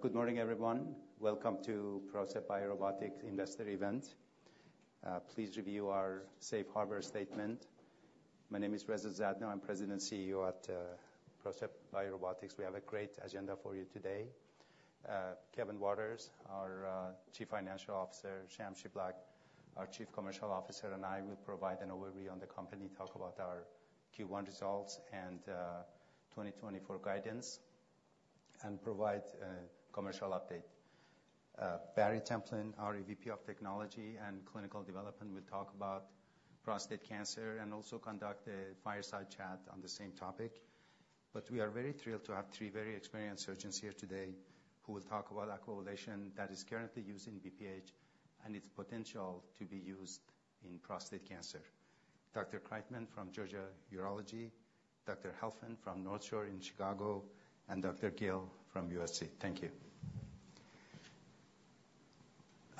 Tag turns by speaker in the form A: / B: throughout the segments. A: Good morning, everyone. Welcome to PROCEPT BioRobotics Investor Event. Please review our safe harbor statement. My name is Reza Zadno. I'm President and CEO at PROCEPT BioRobotics. We have a great agenda for you today. Kevin Waters, our Chief Financial Officer, Sham Shiblaq, our Chief Commercial Officer, and I will provide an overview on the company, talk about our Q1 results and 2024 guidance, and provide a commercial update. Barry Templin, our EVP of Technology and Clinical Development, will talk about prostate cancer and also conduct a fireside chat on the same topic. But we are very thrilled to have three very experienced surgeons here today, who will talk about Aquablation that is currently used in BPH, and its potential to be used in prostate cancer. Dr. Kriteman from Georgia Urology, Dr. Helfand from NorthShore in Chicago, and Dr. Gill from USC. Thank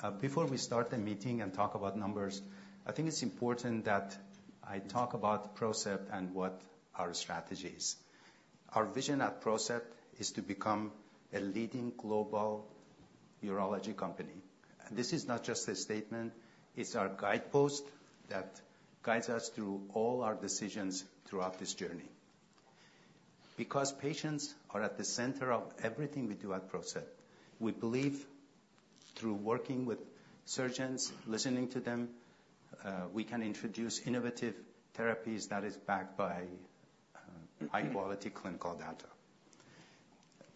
A: you. Before we start the meeting and talk about numbers, I think it's important that I talk about PROCEPT and what our strategy is. Our vision at PROCEPT is to become a leading global urology company. This is not just a statement, it's our guidepost that guides us through all our decisions throughout this journey. Because patients are at the center of everything we do at PROCEPT, we believe through working with surgeons, listening to them, we can introduce innovative therapies that is backed by high-quality clinical data.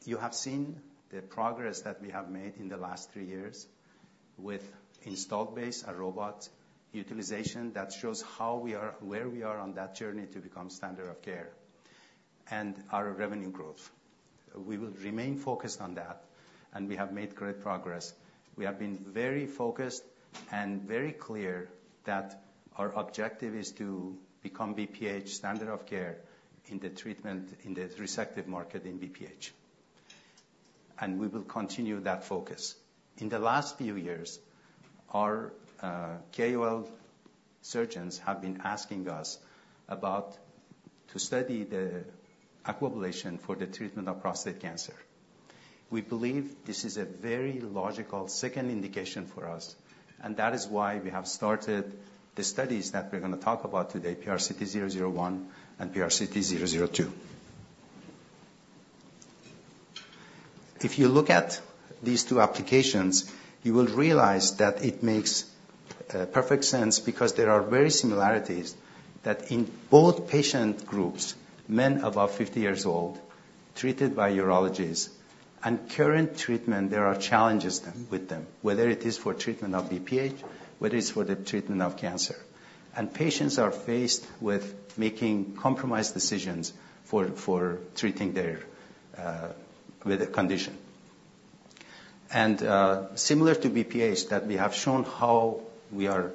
A: You have seen the progress that we have made in the last three years with installed base, our robot utilization, that shows where we are on that journey to become standard of care, and our revenue growth. We will remain focused on that, and we have made great progress. We have been very focused and very clear that our objective is to become BPH standard of care in the treatment, in the resective market in BPH. And we will continue that focus. In the last few years, our KOL surgeons have been asking us about to study the Aquablation for the treatment of prostate cancer. We believe this is a very logical second indication for us, and that is why we have started the studies that we're going to talk about today, PRCT001 and PRCT002. If you look at these two applications, you will realize that it makes perfect sense because there are very similarities that in both patient groups, men above 50 years old, treated by urologists, and current treatment, there are challenges with them, whether it is for treatment of BPH, whether it's for the treatment of cancer. And patients are faced with making compromised decisions for treating their with the condition. And similar to BPH, that we have shown how we are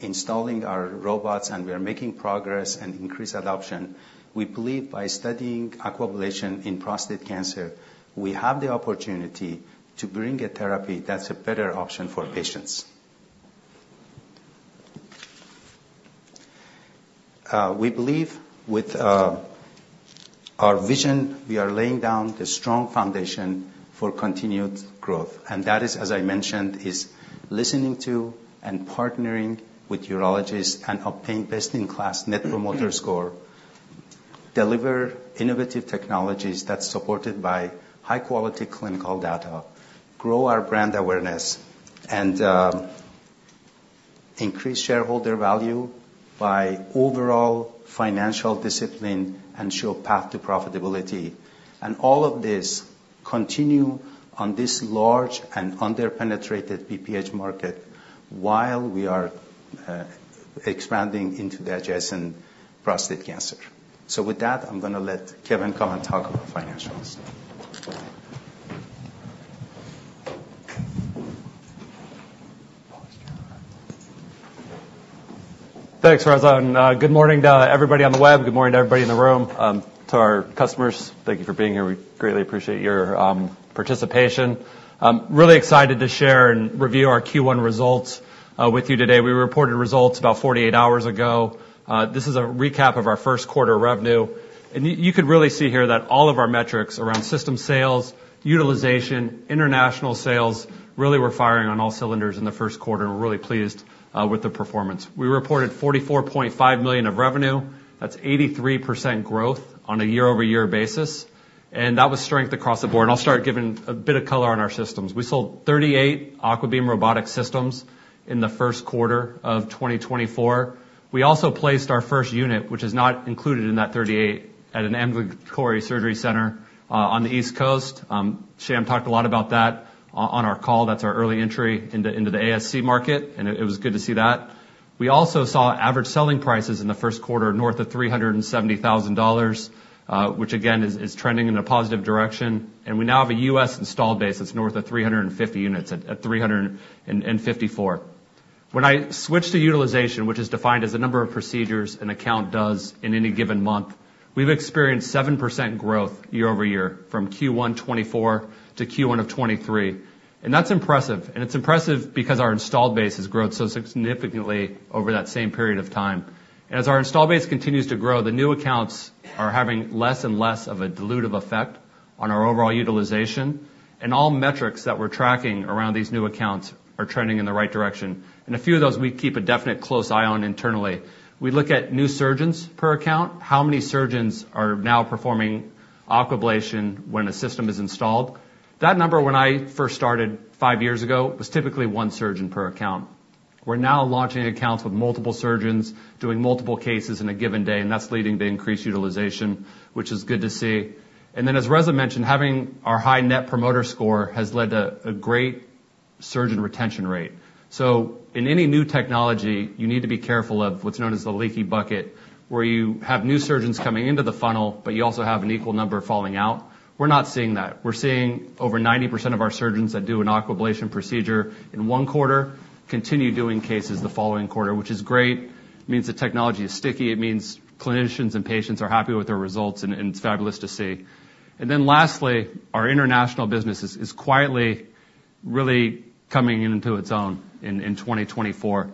A: installing our robots, and we are making progress and increase adoption, we believe by studying Aquablation in prostate cancer, we have the opportunity to bring a therapy that's a better option for patients. We believe with our vision, we are laying down the strong foundation for continued growth, and that is, as I mentioned, is listening to and partnering with urologists and obtain best-in-class Net Promoter Score, deliver innovative technologies that's supported by high-quality clinical data, grow our brand awareness, and increase shareholder value by overall financial discipline and show path to profitability. And all of this continue on this large and under-penetrated BPH market while we are expanding into the adjacent prostate cancer. So with that, I'm going to let Kevin come and talk about financials.
B: Thanks, Reza, and good morning to everybody on the web. Good morning to everybody in the room. To our customers, thank you for being here. We greatly appreciate your participation. I'm really excited to share and review our Q1 results with you today. We reported results about 48 hours ago. This is a recap of our first quarter revenue. You could really see here that all of our metrics around system sales, utilization, international sales really were firing on all cylinders in the first quarter. We're really pleased with the performance. We reported $44.5 million of revenue. That's 83% growth on a year-over-year basis, and that was strength across the board. I'll start giving a bit of color on our systems. We sold 38 AquaBeam robotic systems in the first quarter of 2024. We also placed our first unit, which is not included in that 38, at an ambulatory surgery center on the East Coast. Sham talked a lot about that on our call. That's our early entry into the ASC market, and it was good to see that. We also saw average selling prices in the first quarter north of $370,000, which again is trending in a positive direction. And we now have a U.S. installed base that's north of 350 units, at 354. When I switch to utilization, which is defined as the number of procedures an account does in any given month, we've experienced 7% growth year-over-year from Q1 2024 to Q1 of 2023. And that's impressive, and it's impressive because our installed base has grown so significantly over that same period of time. And as our installed base continues to grow, the new accounts are having less and less of a dilutive effect on our overall utilization, and all metrics that we're tracking around these new accounts are trending in the right direction. And a few of those we keep a definite close eye on internally. We look at new surgeons per account. How many surgeons are now performing Aquablation when a system is installed? That number, when I first started five years ago, was typically one surgeon per account. We're now launching accounts with multiple surgeons, doing multiple cases in a given day, and that's leading to increased utilization, which is good to see. And then, as Reza mentioned, having our high Net Promoter Score has led to a great surgeon retention rate. So in any new technology, you need to be careful of what's known as the leaky bucket, where you have new surgeons coming into the funnel, but you also have an equal number falling out. We're not seeing that. We're seeing over 90% of our surgeons that do an Aquablation procedure in one quarter continue doing cases the following quarter, which is great. It means the technology is sticky, it means clinicians and patients are happy with their results, and, and it's fabulous to see. And then lastly, our international business is, is quietly really coming into its own in, in 2024.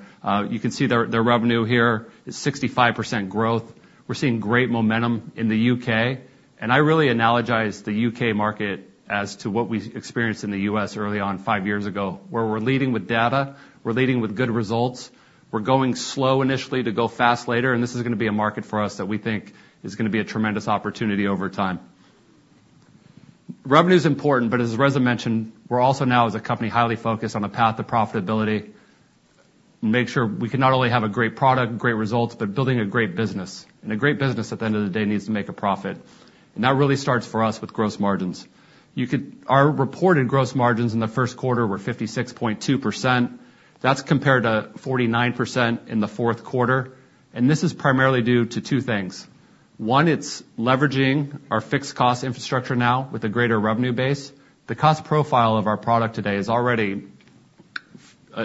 B: You can see their, their revenue here is 65% growth. We're seeing great momentum in the U.K., and I really analogize the U.K. market as to what we experienced in the U.S. early on, five years ago, where we're leading with data, we're leading with good results. We're going slow initially to go fast later, and this is gonna be a market for us that we think is gonna be a tremendous opportunity over time. Revenue is important, but as Reza mentioned, we're also now, as a company, highly focused on the path to profitability, and make sure we can not only have a great product, great results, but building a great business. And a great business, at the end of the day, needs to make a profit. And that really starts for us with gross margins. Our reported gross margins in the first quarter were 56.2%. That's compared to 49% in the fourth quarter, and this is primarily due to two things: One, it's leveraging our fixed cost infrastructure now with a greater revenue base. The cost profile of our product today is already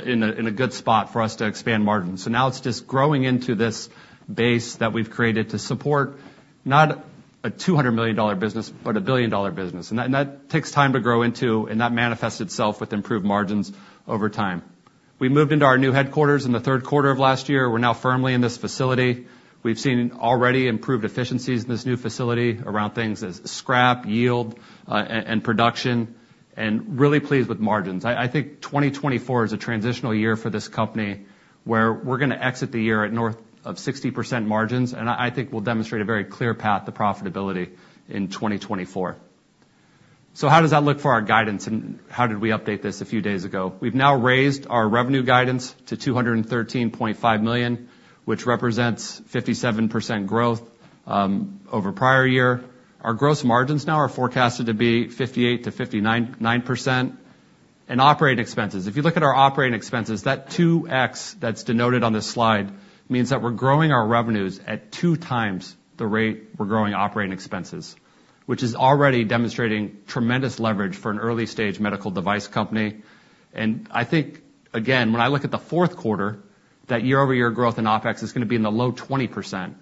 B: in a good spot for us to expand margins. So now it's just growing into this base that we've created to support not a $200 million business, but a billion-dollar business. And that takes time to grow into, and that manifests itself with improved margins over time. We moved into our new headquarters in the third quarter of last year. We're now firmly in this facility. We've seen already improved efficiencies in this new facility around things as scrap, yield, and production, and really pleased with margins. I think 2024 is a transitional year for this company, where we're gonna exit the year at north of 60% margins, and I think we'll demonstrate a very clear path to profitability in 2024. So how does that look for our guidance, and how did we update this a few days ago? We've now raised our revenue guidance to $213.5 million, which represents 57% growth over prior year. Our gross margins now are forecasted to be 58%-59%. And operating expenses. If you look at our operating expenses, that 2x that's denoted on this slide means that we're growing our revenues at 2x the rate we're growing operating expenses, which is already demonstrating tremendous leverage for an early-stage medical device company. And I think, again, when I look at the fourth quarter, that year-over-year growth in OpEx is gonna be in the low 20%,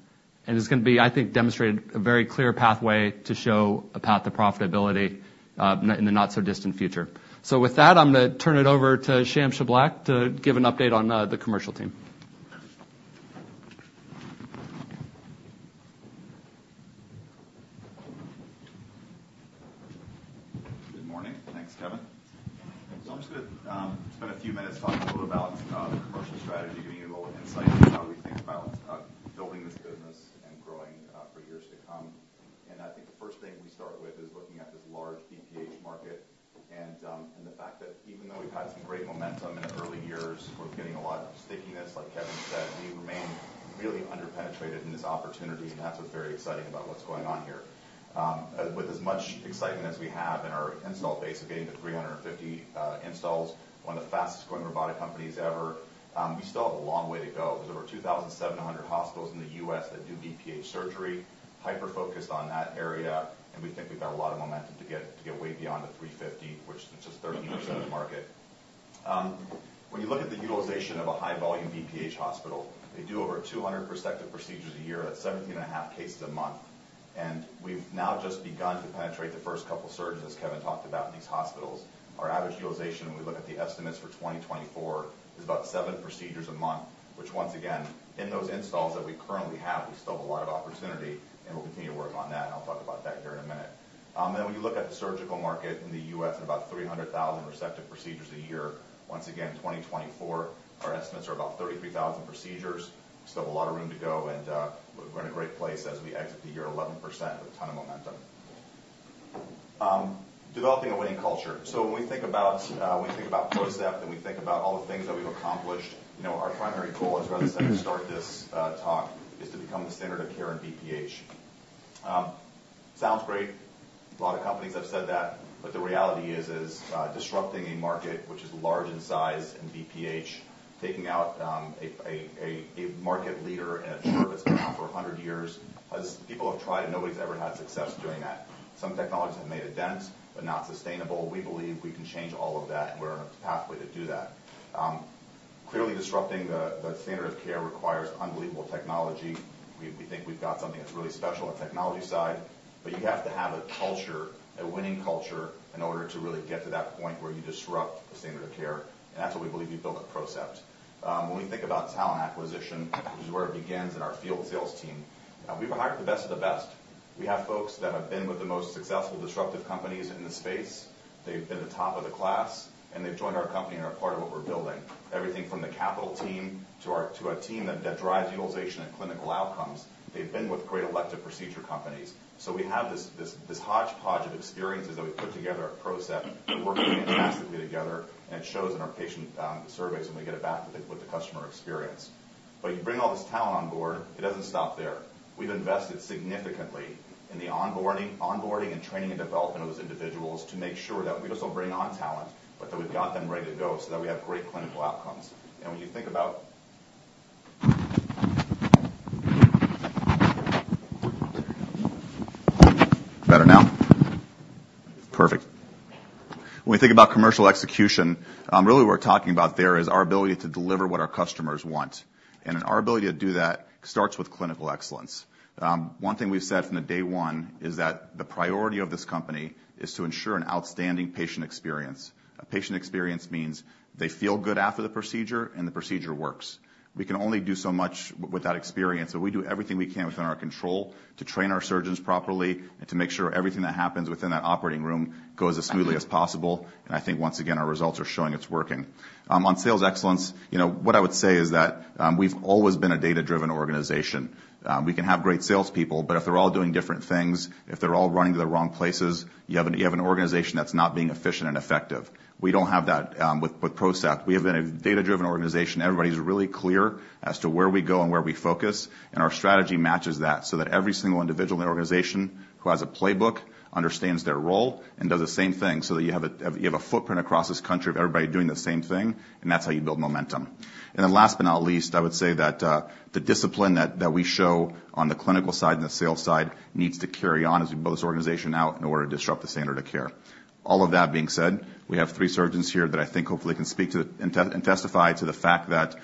B: and it's gonna be, I think, demonstrated a very clear pathway to show a path to profitability in the not so distant future. So with that, I'm gonna turn it over to Sham Shiblaq to give an update on the commercial team.
C: Good morning. Thanks, Kevin. So I'm just gonna spend a few minutes talking a little about the commercial strategy, giving you a little insight into how we think about building this business and growing for years to come. I think the first thing we start with is looking at this large BPH market, and the fact that even though we've had some great momentum in the early years, we're getting a lot of stickiness, like Kevin said, we remain really underpenetrated in this opportunity, and that's what's very exciting about what's going on here. With as much excitement as we have in our install base of getting to 350 installs, one of the fastest-growing robotic companies ever, we still have a long way to go. There's over 2,700 hospitals in the U.S. that do BPH surgery, hyper-focused on that area, and we think we've got a lot of momentum to get, to get way beyond the 350, which is just 13% of the market. When you look at the utilization of a high-volume BPH hospital, they do over 200 prospective procedures a year at 17.5 cases a month. And we've now just begun to penetrate the first couple of surgeons, as Kevin talked about, in these hospitals. Our average utilization, when we look at the estimates for 2024, is about seven procedures a month, which once again, in those installs that we currently have, we still have a lot of opportunity, and we'll continue to work on that, and I'll talk about that here in a minute. Then when you look at the surgical market in the U.S., and about 300,000 resective procedures a year, once again, in 2024, our estimates are about 33,000 procedures. Still have a lot of room to go, and, we're in a great place as we exit the year 11% with a ton of momentum. Developing a winning culture. So when we think about you know PROCEPT, and we think about all the things that we've accomplished, you know, our primary goal, as Reza said at the start of this, talk, is to become the standard of care in BPH. Sounds great. A lot of companies have said that, but the reality is, is, disrupting a market which is large in size in BPH, taking out a market leader in a service now for 100 years, as people have tried and nobody's ever had success doing that. Some technologies have made a dent, but not sustainable. We believe we can change all of that, and we're on a pathway to do that. Clearly, disrupting the standard of care requires unbelievable technology. We think we've got something that's really special on the technology side, but you have to have a culture, a winning culture, in order to really get to that point where you disrupt the standard of care, and that's what we believe we've built at PROCEPT. When we think about talent acquisition, which is where it begins in our field sales team, we've hired the best of the best. We have folks that have been with the most successful disruptive companies in the space. They've been the top of the class, and they've joined our company and are part of what we're building. Everything from the capital team to a team that drives utilization and clinical outcomes, they've been with great elective procedure companies. So we have this hodgepodge of experiences that we've put together at PROCEPT that work fantastically together, and it shows in our patient surveys, when we get it back with the customer experience. But you bring all this talent on board, it doesn't stop there. We've invested significantly in the onboarding and training and development of those individuals to make sure that we just don't bring on talent, but that we've got them ready to go so that we have great clinical outcomes. And when you think about- Better now? Perfect. When we think about commercial execution, really what we're talking about there is our ability to deliver what our customers want, and our ability to do that starts with clinical excellence. One thing we've said from the day one is that the priority of this company is to ensure an outstanding patient experience. A patient experience means they feel good after the procedure, and the procedure works. We can only do so much with that experience, so we do everything we can within our control to train our surgeons properly and to make sure everything that happens within that operating room goes as smoothly as possible. I think, once again, our results are showing it's working. On sales excellence, you know, what I would say is that, we've always been a data-driven organization. We can have great salespeople, but if they're all doing different things, if they're all running to the wrong places, you have an organization that's not being efficient and effective. We don't have that, with PROCEPT. We have been a data-driven organization. Everybody's really clear as to where we go and where we focus, and our strategy matches that, so that every single individual in the organization who has a playbook understands their role and does the same thing, so that you have a, you have a footprint across this country of everybody doing the same thing, and that's how you build momentum. And then last but not least, I would say that the discipline that we show on the clinical side and the sales side needs to carry on as we build this organization out in order to disrupt the standard of care. All of that being said, we have three surgeons here that I think hopefully can speak to and testify to the fact that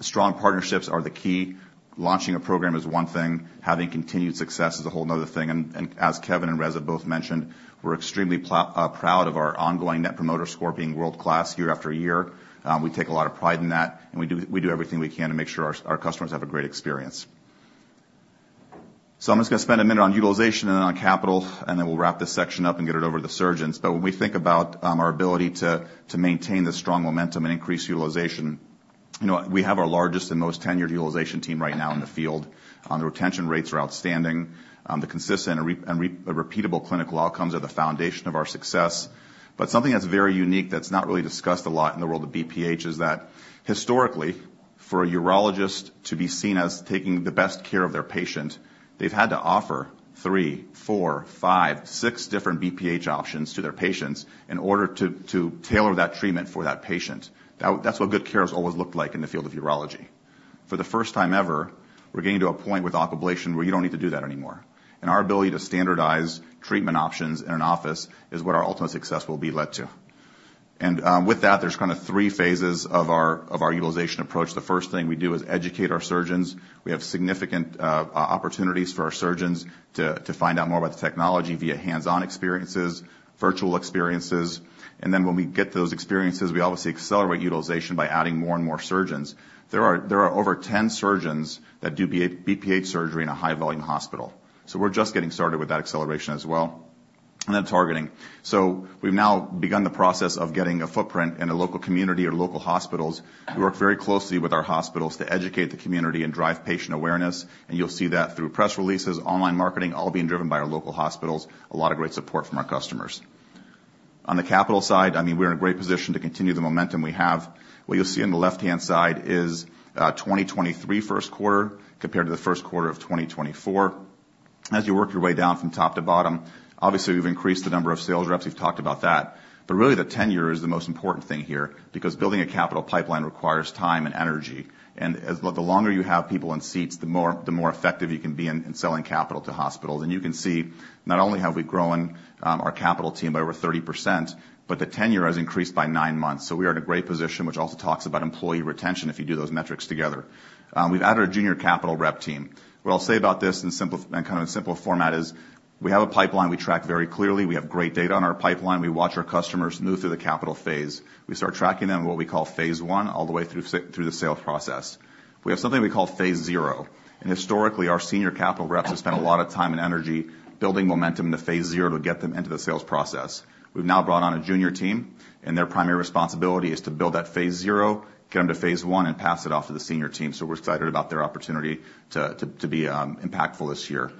C: strong partnerships are the key. Launching a program is one thing, having continued success is a whole another thing. As Kevin and Reza both mentioned, we're extremely proud of our ongoing Net Promoter Score being world-class year after year. We take a lot of pride in that, and we do everything we can to make sure our customers have a great experience. So I'm just gonna spend a minute on utilization and on capital, and then we'll wrap this section up and get it over to the surgeons. But when we think about our ability to maintain the strong momentum and increase utilization, you know, we have our largest and most tenured utilization team right now in the field. The retention rates are outstanding. The consistent and repeatable clinical outcomes are the foundation of our success. But something that's very unique, that's not really discussed a lot in the world of BPH, is that historically, for a urologist to be seen as taking the best care of their patient, they've had to offer three, four, five, six different BPH options to their patients in order to tailor that treatment for that patient. That's what good care has always looked like in the field of urology. For the first time ever, we're getting to a point with Aquablation where you don't need to do that anymore, and our ability to standardize treatment options in an office is what our ultimate success will be led to. And, with that, there's kind of three phases of our of our utilization approach. The first thing we do is educate our surgeons. We have significant opportunities for our surgeons to find out more about the technology via hands-on experiences, virtual experiences, and then when we get those experiences, we obviously accelerate utilization by adding more and more surgeons. There are over 10 surgeons that do BPH surgery in a high-volume hospital. So we're just getting started with that acceleration as well. And then targeting. So we've now begun the process of getting a footprint in the local community or local hospitals. We work very closely with our hospitals to educate the community and drive patient awareness, and you'll see that through press releases, online marketing, all being driven by our local hospitals. A lot of great support from our customers. On the capital side, I mean, we're in a great position to continue the momentum we have. What you'll see on the left-hand side is 2023 first quarter compared to the first quarter of 2024. As you work your way down from top to bottom, obviously, we've increased the number of sales reps, we've talked about that. But really, the tenure is the most important thing here, because building a capital pipeline requires time and energy, and as... The longer you have people in seats, the more, the more effective you can be in, in selling capital to hospitals. And you can see not only have we grown our capital team by over 30%, but the tenure has increased by nine months. So we are in a great position, which also talks about employee retention if you do those metrics together. We've added a junior capital rep team. What I'll say about this in kind of a simple format is we have a pipeline we track very clearly. We have great data on our pipeline. We watch our customers move through the capital phase. We start tracking them in what we call phase I, all the way through the sales process. We have something we call phase zero, and historically, our senior capital reps have spent a lot of time and energy building momentum into phase zero to get them into the sales process. We've now brought on a junior team, and their primary responsibility is to build that phase zero, get them to phase I, and pass it off to the senior team. So we're excited about their opportunity to be impactful this year.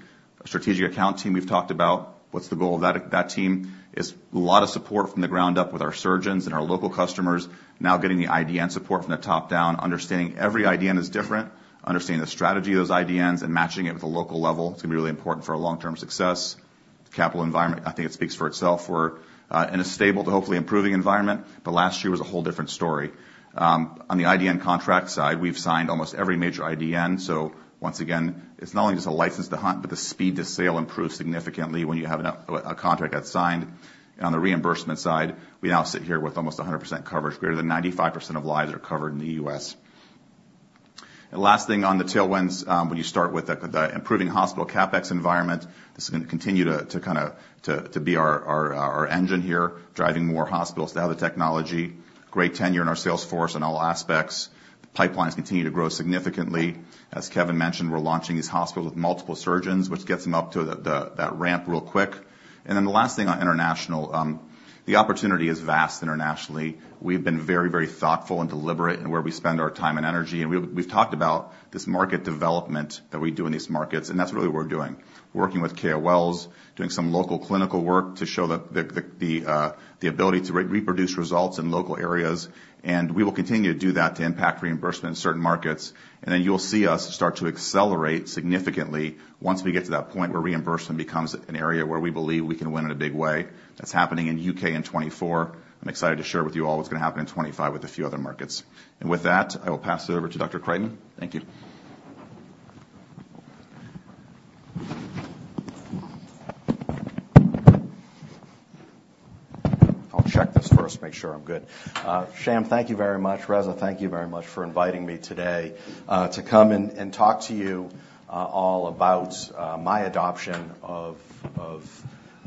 C: Our strategic account team, we've talked about. What's the goal of that team? There's a lot of support from the ground up with our surgeons and our local customers, now getting the IDN support from the top down, understanding every IDN is different, understanding the strategy of those IDNs, and matching it with the local level. It's going to be really important for our long-term success. The capital environment, I think it speaks for itself. We're in a stable to hopefully improving environment, but last year was a whole different story. On the IDN contract side, we've signed almost every major IDN, so once again, it's not only just a license to hunt, but the speed to sale improves significantly when you have a contract that's signed. And on the reimbursement side, we now sit here with almost 100% coverage. Greater than 95% of lives are covered in the U.S. Last thing on the tailwinds, when you start with the improving hospital CapEx environment, this is going to continue to kind of be our engine here, driving more hospitals to have the technology. Great tenure in our sales force in all aspects. The pipelines continue to grow significantly. As Kevin mentioned, we're launching these hospitals with multiple surgeons, which gets them up to that ramp real quick. Then the last thing on international, the opportunity is vast internationally. We've been very, very thoughtful and deliberate in where we spend our time and energy, and we've talked about this market development that we do in these markets, and that's really what we're doing: working with KOLs, doing some local clinical work to show the ability to reproduce results in local areas. And we will continue to do that to impact reimbursement in certain markets. Then you'll see us start to accelerate significantly once we get to that point where reimbursement becomes an area where we believe we can win in a big way. That's happening in the U.K. in 2024. I'm excited to share with you all what's going to happen in 2025 with a few other markets. And with that, I will pass it over to Dr. Kriteman. Thank you.
D: I'll check this first, make sure I'm good. Sham, thank you very much. Reza, thank you very much for inviting me today, to come and talk to you all about my adoption of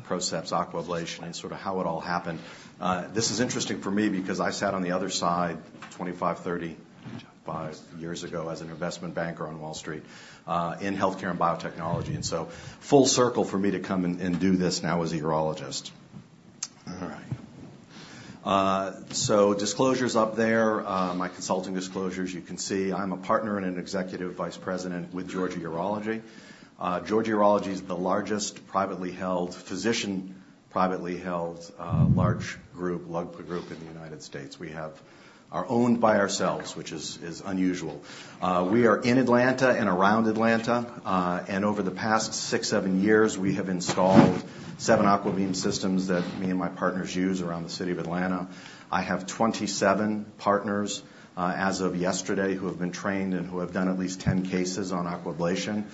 D: PROCEPT's Aquablation and sort of how it all happened. This is interesting for me because I sat on the other side 25, 35 years ago as an investment banker on Wall Street, in healthcare and biotechnology, and so full circle for me to come and do this now as a urologist. All right. So disclosure's up there. My consulting disclosures, you can see I'm a partner and an executive vice president with Georgia Urology. Georgia Urology is the largest privately held physician, privately held, large group in the United States. We have... We are owned by ourselves, which is unusual. We are in Atlanta and around Atlanta, and over the past six, seven years, we have installed seven AquaBeam systems that me and my partners use around the city of Atlanta. I have 27 partners, as of yesterday, who have been trained and who have done at least 10 cases on Aquablation.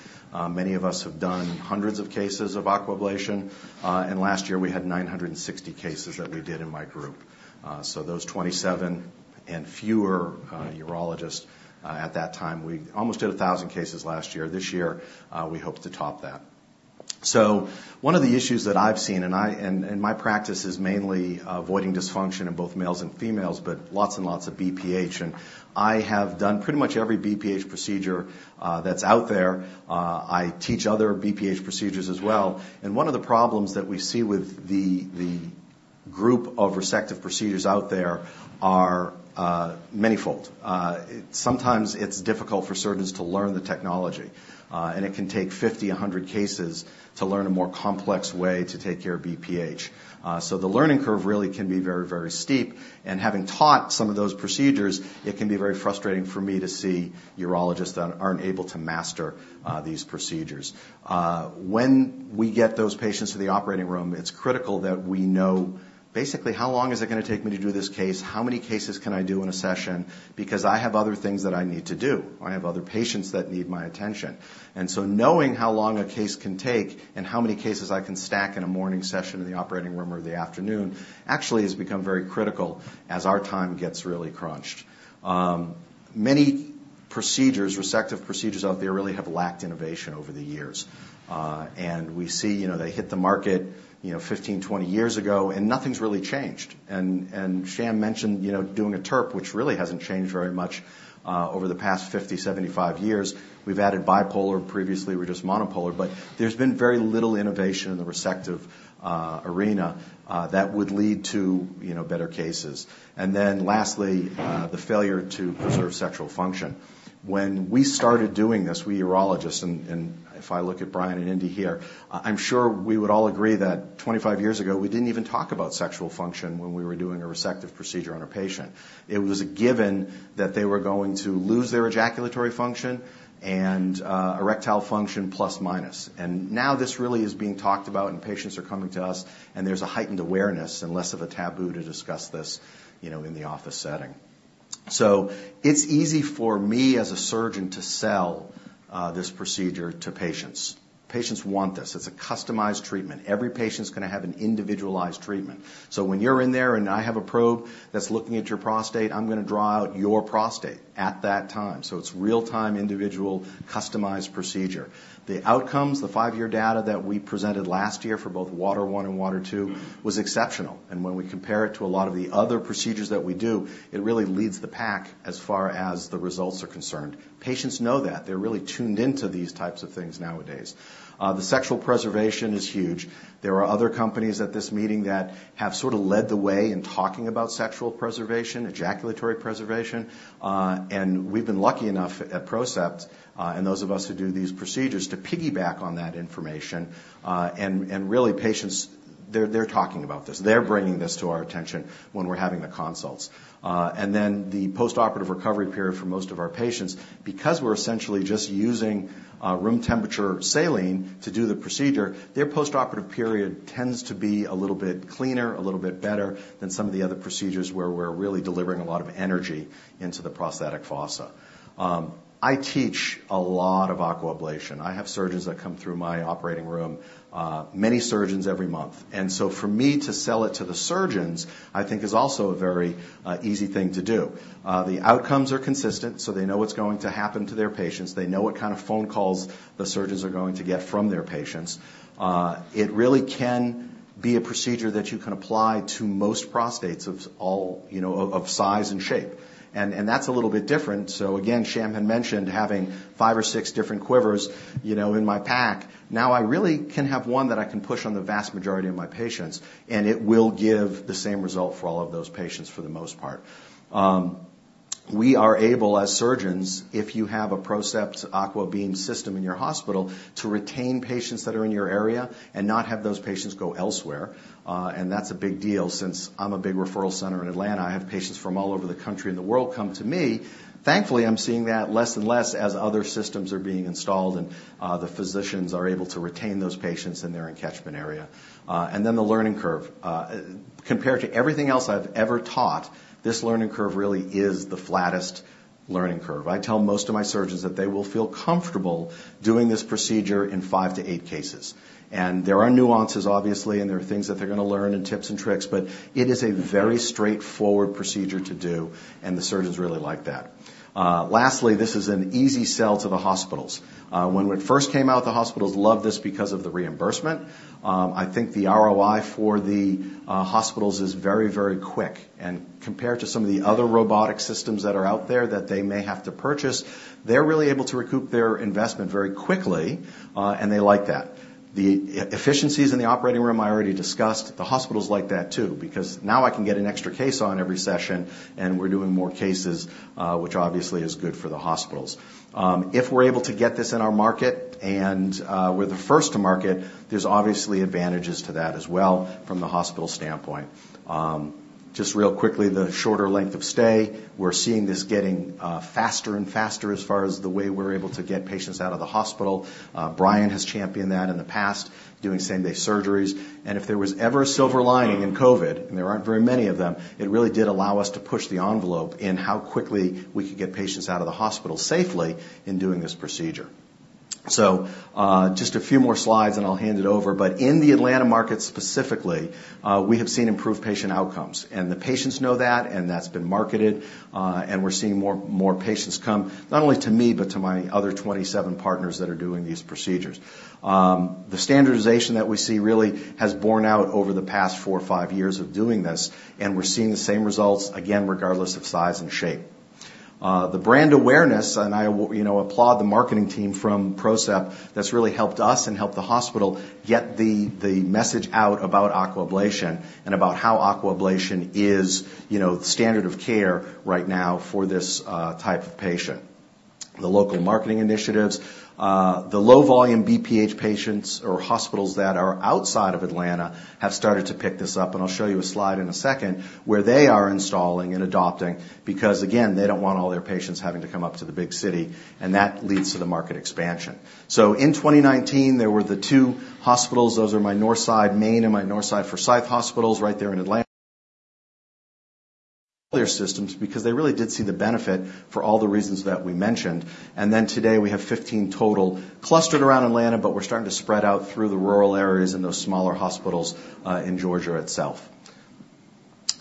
D: Many of us have done hundreds of cases of Aquablation, and last year, we had 960 cases that we did in my group. So those 27 and fewer urologists, at that time, we almost did 1,000 cases last year. This year, we hope to top that. So one of the issues that I've seen, and my practice is mainly avoiding dysfunction in both males and females, but lots and lots of BPH, and I have done pretty much every BPH procedure that's out there. I teach other BPH procedures as well. And one of the problems that we see with the the group of resective procedures out there are manyfold. It sometimes it's difficult for surgeons to learn the technology, and it can take 50, 100 cases to learn a more complex way to take care of BPH. So the learning curve really can be very, very steep, and having taught some of those procedures, it can be very frustrating for me to see urologists that aren't able to master these procedures. When we get those patients to the operating room, it's critical that we know basically how long is it gonna take me to do this case? How many cases can I do in a session? Because I have other things that I need to do. I have other patients that need my attention. And so knowing how long a case can take and how many cases I can stack in a morning session in the operating room or the afternoon actually has become very critical as our time gets really crunched. Many procedures, resective procedures out there, really have lacked innovation over the years. And we see, you know, they hit the market, you know, 15-20 years ago, and nothing's really changed. And Sham mentioned, you know, doing a TURP, which really hasn't changed very much over the past 50-75 years. We've added bipolar. Previously, we were just monopolar, but there's been very little innovation in the resective arena that would lead to, you know, better cases. And then lastly, the failure to preserve sexual function. When we started doing this, we urologists, and if I look at Brian and Indy here, I'm sure we would all agree that 25 years ago, we didn't even talk about sexual function when we were doing a resective procedure on a patient. It was a given that they were going to lose their ejaculatory function and erectile function, plus, minus. And now this really is being talked about, and patients are coming to us, and there's a heightened awareness and less of a taboo to discuss this, you know, in the office setting. So it's easy for me as a surgeon to sell this procedure to patients. Patients want this. It's a customized treatment. Every patient's gonna have an individualized treatment. So when you're in there and I have a probe that's looking at your prostate, I'm gonna draw out your prostate at that time. So it's real-time, individual, customized procedure. The outcomes, the five-year data that we presented last year for both WATER I and WATER II, was exceptional. And when we compare it to a lot of the other procedures that we do, it really leads the pack as far as the results are concerned. Patients know that. They're really tuned into these types of things nowadays. The sexual preservation is huge. There are other companies at this meeting that have sort of led the way in talking about sexual preservation, ejaculatory preservation, and we've been lucky enough at PROCEPT, and those of us who do these procedures, to piggyback on that information. And really patients, they're talking about this, they're bringing this to our attention when we're having the consults. And then the postoperative recovery period for most of our patients, because we're essentially just using room temperature saline to do the procedure, their postoperative period tends to be a little bit cleaner, a little bit better than some of the other procedures where we're really delivering a lot of energy into the prostatic fossa. I teach a lot of Aquablation. I have surgeons that come through my operating room, many surgeons every month. And so for me to sell it to the surgeons, I think is also a very, easy thing to do. The outcomes are consistent, so they know what's going to happen to their patients. They know what kind of phone calls the surgeons are going to get from their patients. It really can be a procedure that you can apply to most prostates of all, you know, of size and shape, and that's a little bit different. So again, Sham had mentioned having five or six different quivers, you know, in my pack. Now, I really can have one that I can push on the vast majority of my patients, and it will give the same result for all of those patients, for the most part. We are able, as surgeons, if you have a PROCEPT AquaBeam system in your hospital, to retain patients that are in your area and not have those patients go elsewhere. And that's a big deal since I'm a big referral center in Atlanta. I have patients from all over the country and the world come to me. Thankfully, I'm seeing that less and less as other systems are being installed and the physicians are able to retain those patients in their catchment area. And then the learning curve. Compared to everything else I've ever taught, this learning curve really is the flattest learning curve. I tell most of my surgeons that they will feel comfortable doing this procedure in five to eight cases. And there are nuances, obviously, and there are things that they're gonna learn and tips and tricks, but it is a very straightforward procedure to do, and the surgeons really like that. Lastly, this is an easy sell to the hospitals. When it first came out, the hospitals loved this because of the reimbursement. I think the ROI for the hospitals is very, very quick, and compared to some of the other robotic systems that are out there that they may have to purchase, they're really able to recoup their investment very quickly, and they like that. The efficiencies in the operating room, I already discussed. The hospitals like that, too, because now I can get an extra case on every session, and we're doing more cases, which obviously is good for the hospitals. If we're able to get this in our market and we're the first to market, there's obviously advantages to that as well from the hospital standpoint. Just real quickly, the shorter length of stay. We're seeing this getting faster and faster as far as the way we're able to get patients out of the hospital. Brian has championed that in the past, doing same-day surgeries. And if there was ever a silver lining in COVID, and there aren't very many of them, it really did allow us to push the envelope in how quickly we could get patients out of the hospital safely in doing this procedure. So, just a few more slides, and I'll hand it over. In the Atlanta market specifically, we have seen improved patient outcomes, and the patients know that, and that's been marketed, and we're seeing more, more patients come, not only to me, but to my other 27 partners that are doing these procedures. The standardization that we see really has borne out over the past four or five years of doing this, and we're seeing the same results, again, regardless of size and shape. The brand awareness, and I, you know, applaud the marketing team from PROCEPT, that's really helped us and helped the hospital get the message out about Aquablation and about how Aquablation is, you know, the standard of care right now for this type of patient. The local marketing initiatives, the low-volume BPH patients or hospitals that are outside of Atlanta have started to pick this up, and I'll show you a slide in a second, where they are installing and adopting, because, again, they don't want all their patients having to come up to the big city, and that leads to the market expansion. So in 2019, there were the two hospitals. Those are my Northside Main and my Northside Forsyth hospitals right there in Atlanta... systems, because they really did see the benefit for all the reasons that we mentioned. And then today, we have 15 total, clustered around Atlanta, but we're starting to spread out through the rural areas in those smaller hospitals, in Georgia itself.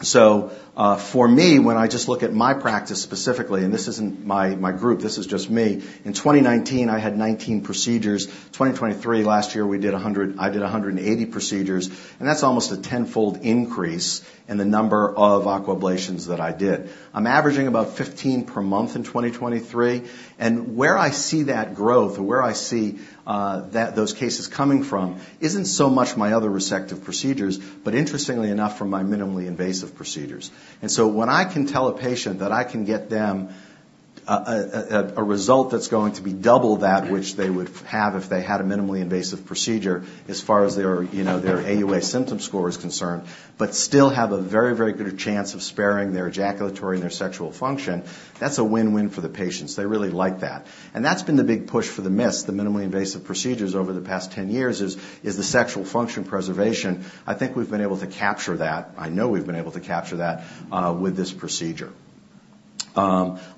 D: So, for me, when I just look at my practice specifically, and this isn't my, my group, this is just me, in 2019, I had 19 procedures. 2023, last year, I did 180 procedures, and that's almost a tenfold increase in the number of Aquablations that I did. I'm averaging about 15 per month in 2023. And where I see that growth or where I see that those cases coming from, isn't so much my other resective procedures, but interestingly enough, from my minimally invasive procedures. And so when I can tell a patient that I can get them a result that's going to be double that which they would have if they had a minimally invasive procedure, as far as their, you know, their AUA symptom score is concerned, but still have a very, very good chance of sparing their ejaculatory and their sexual function, that's a win-win for the patients. They really like that. And that's been the big push for the MIST, the minimally invasive procedures over the past 10 years, is the sexual function preservation. I think we've been able to capture that. I know we've been able to capture that with this procedure.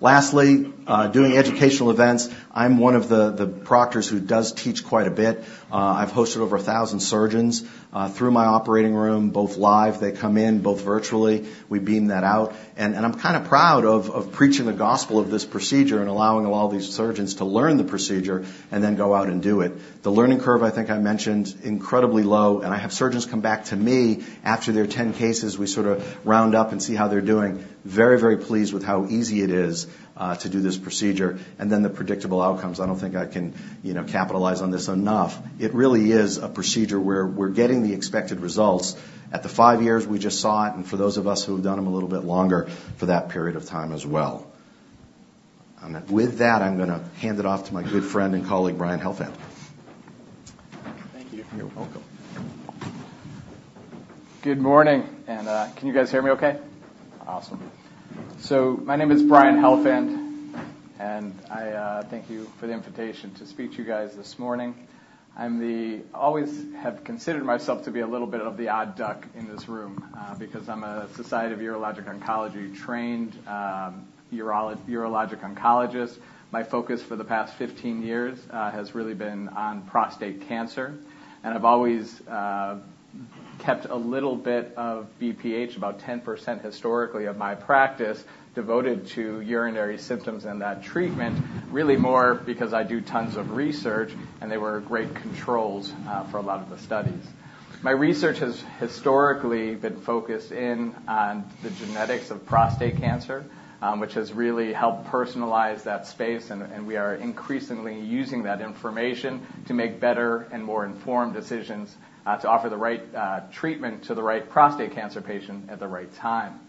D: Lastly, doing educational events. I'm one of the proctors who does teach quite a bit. I've hosted over 1,000 surgeons through my operating room, both live, they come in, both virtually. We beam that out, and I'm kind of proud of preaching the gospel of this procedure and allowing all these surgeons to learn the procedure and then go out and do it. The learning curve, I think I mentioned, incredibly low, and I have surgeons come back to me after their 10 cases. We sort of round up and see how they're doing. Very, very pleased with how easy it is to do this procedure, and then the predictable outcomes. I don't think I can, you know, capitalize on this enough. It really is a procedure where we're getting the expected results. At the five years, we just saw it, and for those of us who have done them a little bit longer, for that period of time as well.... And with that, I'm gonna hand it off to my good friend and colleague, Brian Helfand.
E: Thank you.
D: You're welcome.
E: Good morning, and can you guys hear me okay? Awesome. My name is Brian Helfand, and I thank you for the invitation to speak to you guys this morning. I've always have considered myself to be a little bit of the odd duck in this room, because I'm a Society of Urologic Oncology-trained Urologic Oncologist. My focus for the past 15 years has really been on prostate cancer, and I've always kept a little bit of BPH, about 10% historically of my practice, devoted to urinary symptoms and that treatment, really more because I do tons of research, and they were great controls for a lot of the studies. My research has historically been focused in on the genetics of prostate cancer, which has really helped personalize that space, and we are increasingly using that information to make better and more informed decisions, to offer the right, treatment to the right prostate cancer patient at the right time.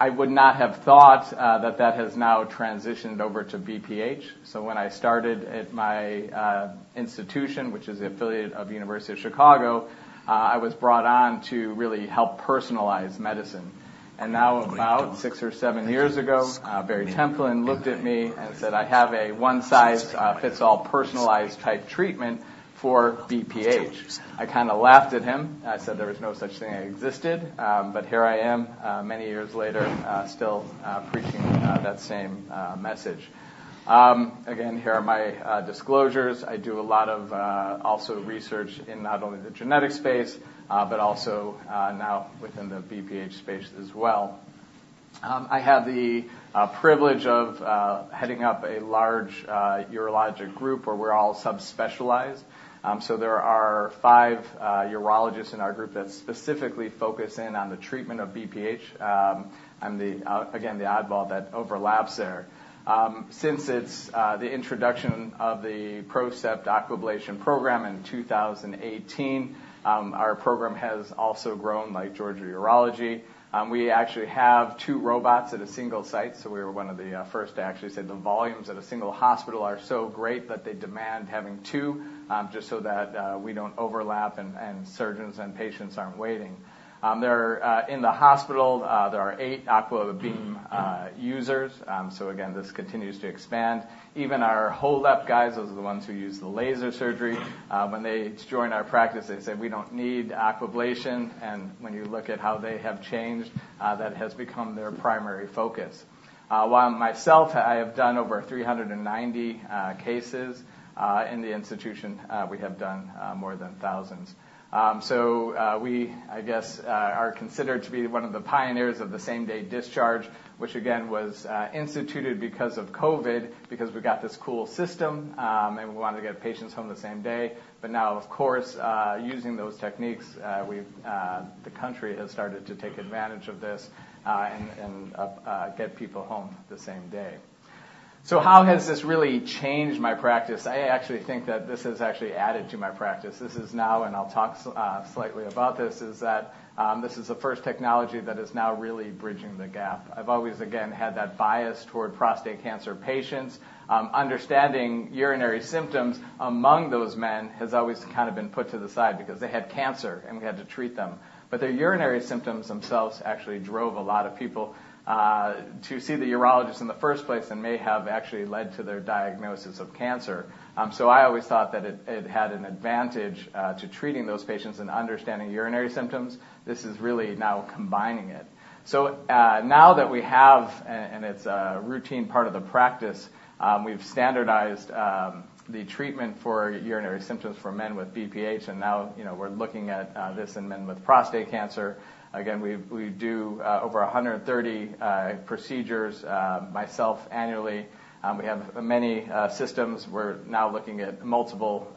E: I would not have thought, that that has now transitioned over to BPH. So when I started at my, institution, which is the affiliate of the University of Chicago, I was brought on to really help personalize medicine. And now, about six or seven years ago, Barry Templin looked at me and said, "I have a one-size-fits-all personalized type treatment for BPH." I kinda laughed at him. I said there was no such thing that existed, but here I am, many years later, still preaching that same message. Again, here are my disclosures. I do a lot of also research in not only the genetic space, but also now within the BPH space as well. I have the privilege of heading up a large urologic group where we're all subspecialized. So there are five urologists in our group that specifically focus in on the treatment of BPH, and the again the oddball that overlaps there. Since it's the introduction of the PROCEPT Aquablation program in 2018, our program has also grown, like Georgia Urology. And we actually have two robots at a single site, so we were one of the first to actually say the volumes at a single hospital are so great that they demand having two, just so that we don't overlap and surgeons and patients aren't waiting. There are, in the hospital, there are eight AquaBeam users. So again, this continues to expand. Even our HoLEP guys, those are the ones who use the laser surgery when they joined our practice, they said, "We don't need Aquablation." And when you look at how they have changed, that has become their primary focus. While myself, I have done over 390 cases in the institution, we have done more than thousands. So, we, I guess, are considered to be one of the pioneers of the same-day discharge, which again, was instituted because of COVID, because we got this cool system, and we wanted to get patients home the same day. But now, of course, using those techniques, we've, the country has started to take advantage of this, and get people home the same day. So how has this really changed my practice? I actually think that this has actually added to my practice. This is now, and I'll talk slightly about this, is that, this is the first technology that is now really bridging the gap. I've always again, had that bias toward prostate cancer patients. Understanding urinary symptoms among those men has always kind of been put to the side because they had cancer, and we had to treat them. But their urinary symptoms themselves actually drove a lot of people to see the urologist in the first place and may have actually led to their diagnosis of cancer. So I always thought that it had an advantage to treating those patients and understanding urinary symptoms. This is really now combining it. So, now that we have, and it's a routine part of the practice, we've standardized the treatment for urinary symptoms for men with BPH, and now, you know, we're looking at this in men with prostate cancer. Again, we do over 130 procedures myself annually. And we have many systems. We're now looking at multiple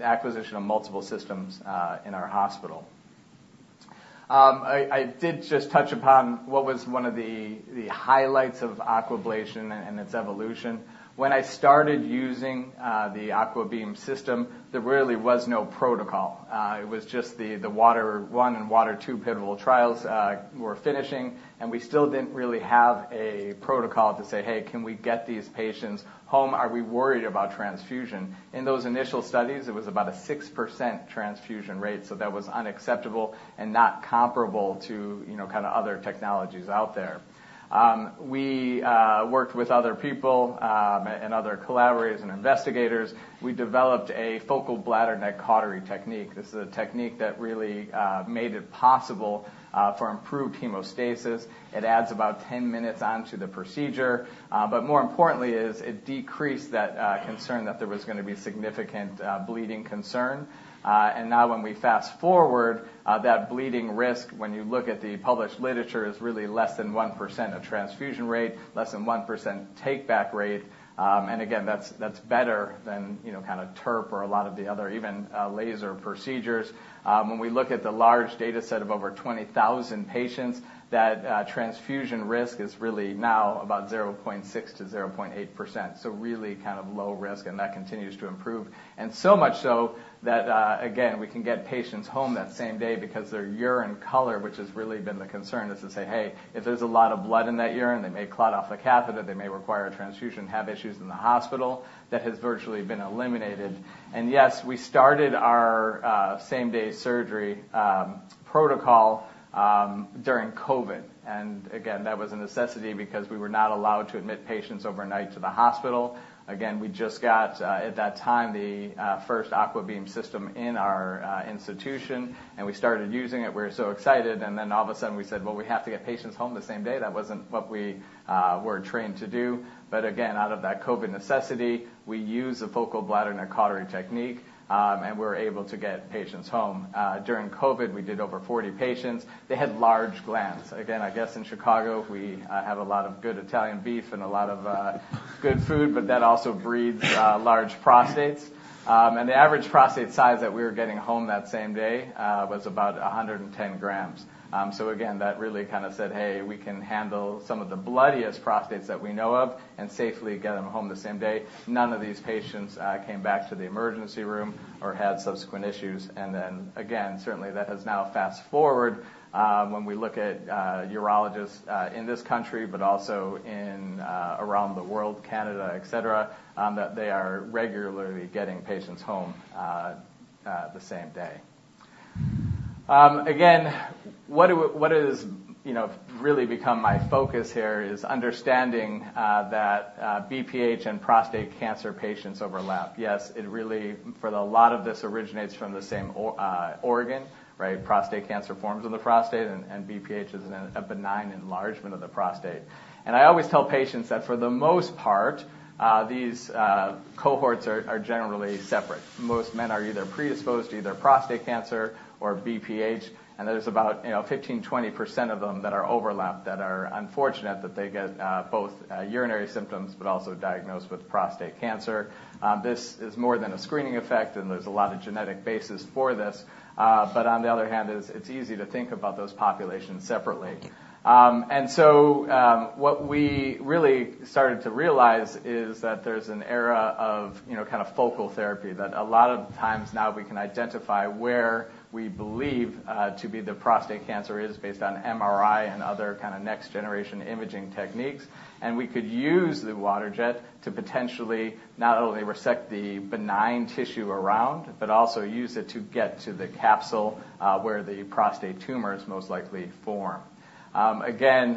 E: acquisition of multiple systems in our hospital. I did just touch upon what was one of the highlights of Aquablation and its evolution. When I started using the AquaBeam system, there really was no protocol. It was just the WATER I and WATER II pivotal trials were finishing, and we still didn't really have a protocol to say, "Hey, can we get these patients home? Are we worried about transfusion?" In those initial studies, it was about a 6% transfusion rate, so that was unacceptable and not comparable to, you know, kind of other technologies out there. We worked with other people and other collaborators and investigators. We developed a focal bladder neck cautery technique. This is a technique that really made it possible for improved hemostasis. It adds about 10 minutes onto the procedure, but more importantly, it decreased that concern that there was gonna be significant bleeding concern. And now when we fast-forward, that bleeding risk, when you look at the published literature, is really less than 1% transfusion rate, less than 1% take-back rate. And again, that's, that's better than, you know, kind of TURP or a lot of the other even laser procedures. When we look at the large data set of over 20,000 patients, that transfusion risk is really now about 0.6%-0.8%. So really kind of low risk, and that continues to improve. And so much so that, again, we can get patients home that same day because their urine color, which has really been the concern, is to say, "Hey, if there's a lot of blood in that urine, they may clot off a catheter, they may require a transfusion, have issues in the hospital," that has virtually been eliminated. And yes, we started our same-day surgery protocol during COVID. And again, that was a necessity because we were not allowed to admit patients overnight to the hospital. Again, we just got, at that time, the first AquaBeam system in our institution, and we started using it. We were so excited, and then all of a sudden we said, "Well, we have to get patients home the same day." That wasn't what we were trained to do. But again, out of that COVID necessity, we used the Focal Bladder Neck Cautery technique, and we were able to get patients home. During COVID, we did over 40 patients. They had large glands. Again, I guess in Chicago, we have a lot of good Italian beef and a lot of good food, but that also breeds large prostates. And the average prostate size that we were getting home that same day was about 110 grams. So again, that really kind of said, hey, we can handle some of the bloodiest prostates that we know of and safely get them home the same day. None of these patients came back to the emergency room or had subsequent issues. And then again, certainly, that has now fast-forward when we look at urologists in this country but also in around the world, Canada, et cetera, that they are regularly getting patients home the same day. Again, what is, you know, really become my focus here is understanding that BPH and prostate cancer patients overlap. Yes, it really, for a lot of this, originates from the same organ, right? Prostate cancer forms in the prostate, and BPH is a benign enlargement of the prostate. And I always tell patients that for the most part, these cohorts are generally separate. Most men are either predisposed to either prostate cancer or BPH, and there's about, you know, 15%-20% of them that are overlapped, that are unfortunate, that they get both urinary symptoms but also diagnosed with prostate cancer. This is more than a screening effect, and there's a lot of genetic basis for this. But on the other hand, it's easy to think about those populations separately. And so, what we really started to realize is that there's an era of, you know, kind of focal therapy, that a lot of times now we can identify where we believe to be the prostate cancer is based on MRI and other kind of next-generation imaging techniques. And we could use the waterjet to potentially not only resect the benign tissue around but also use it to get to the capsule, where the prostate tumors most likely form. Again,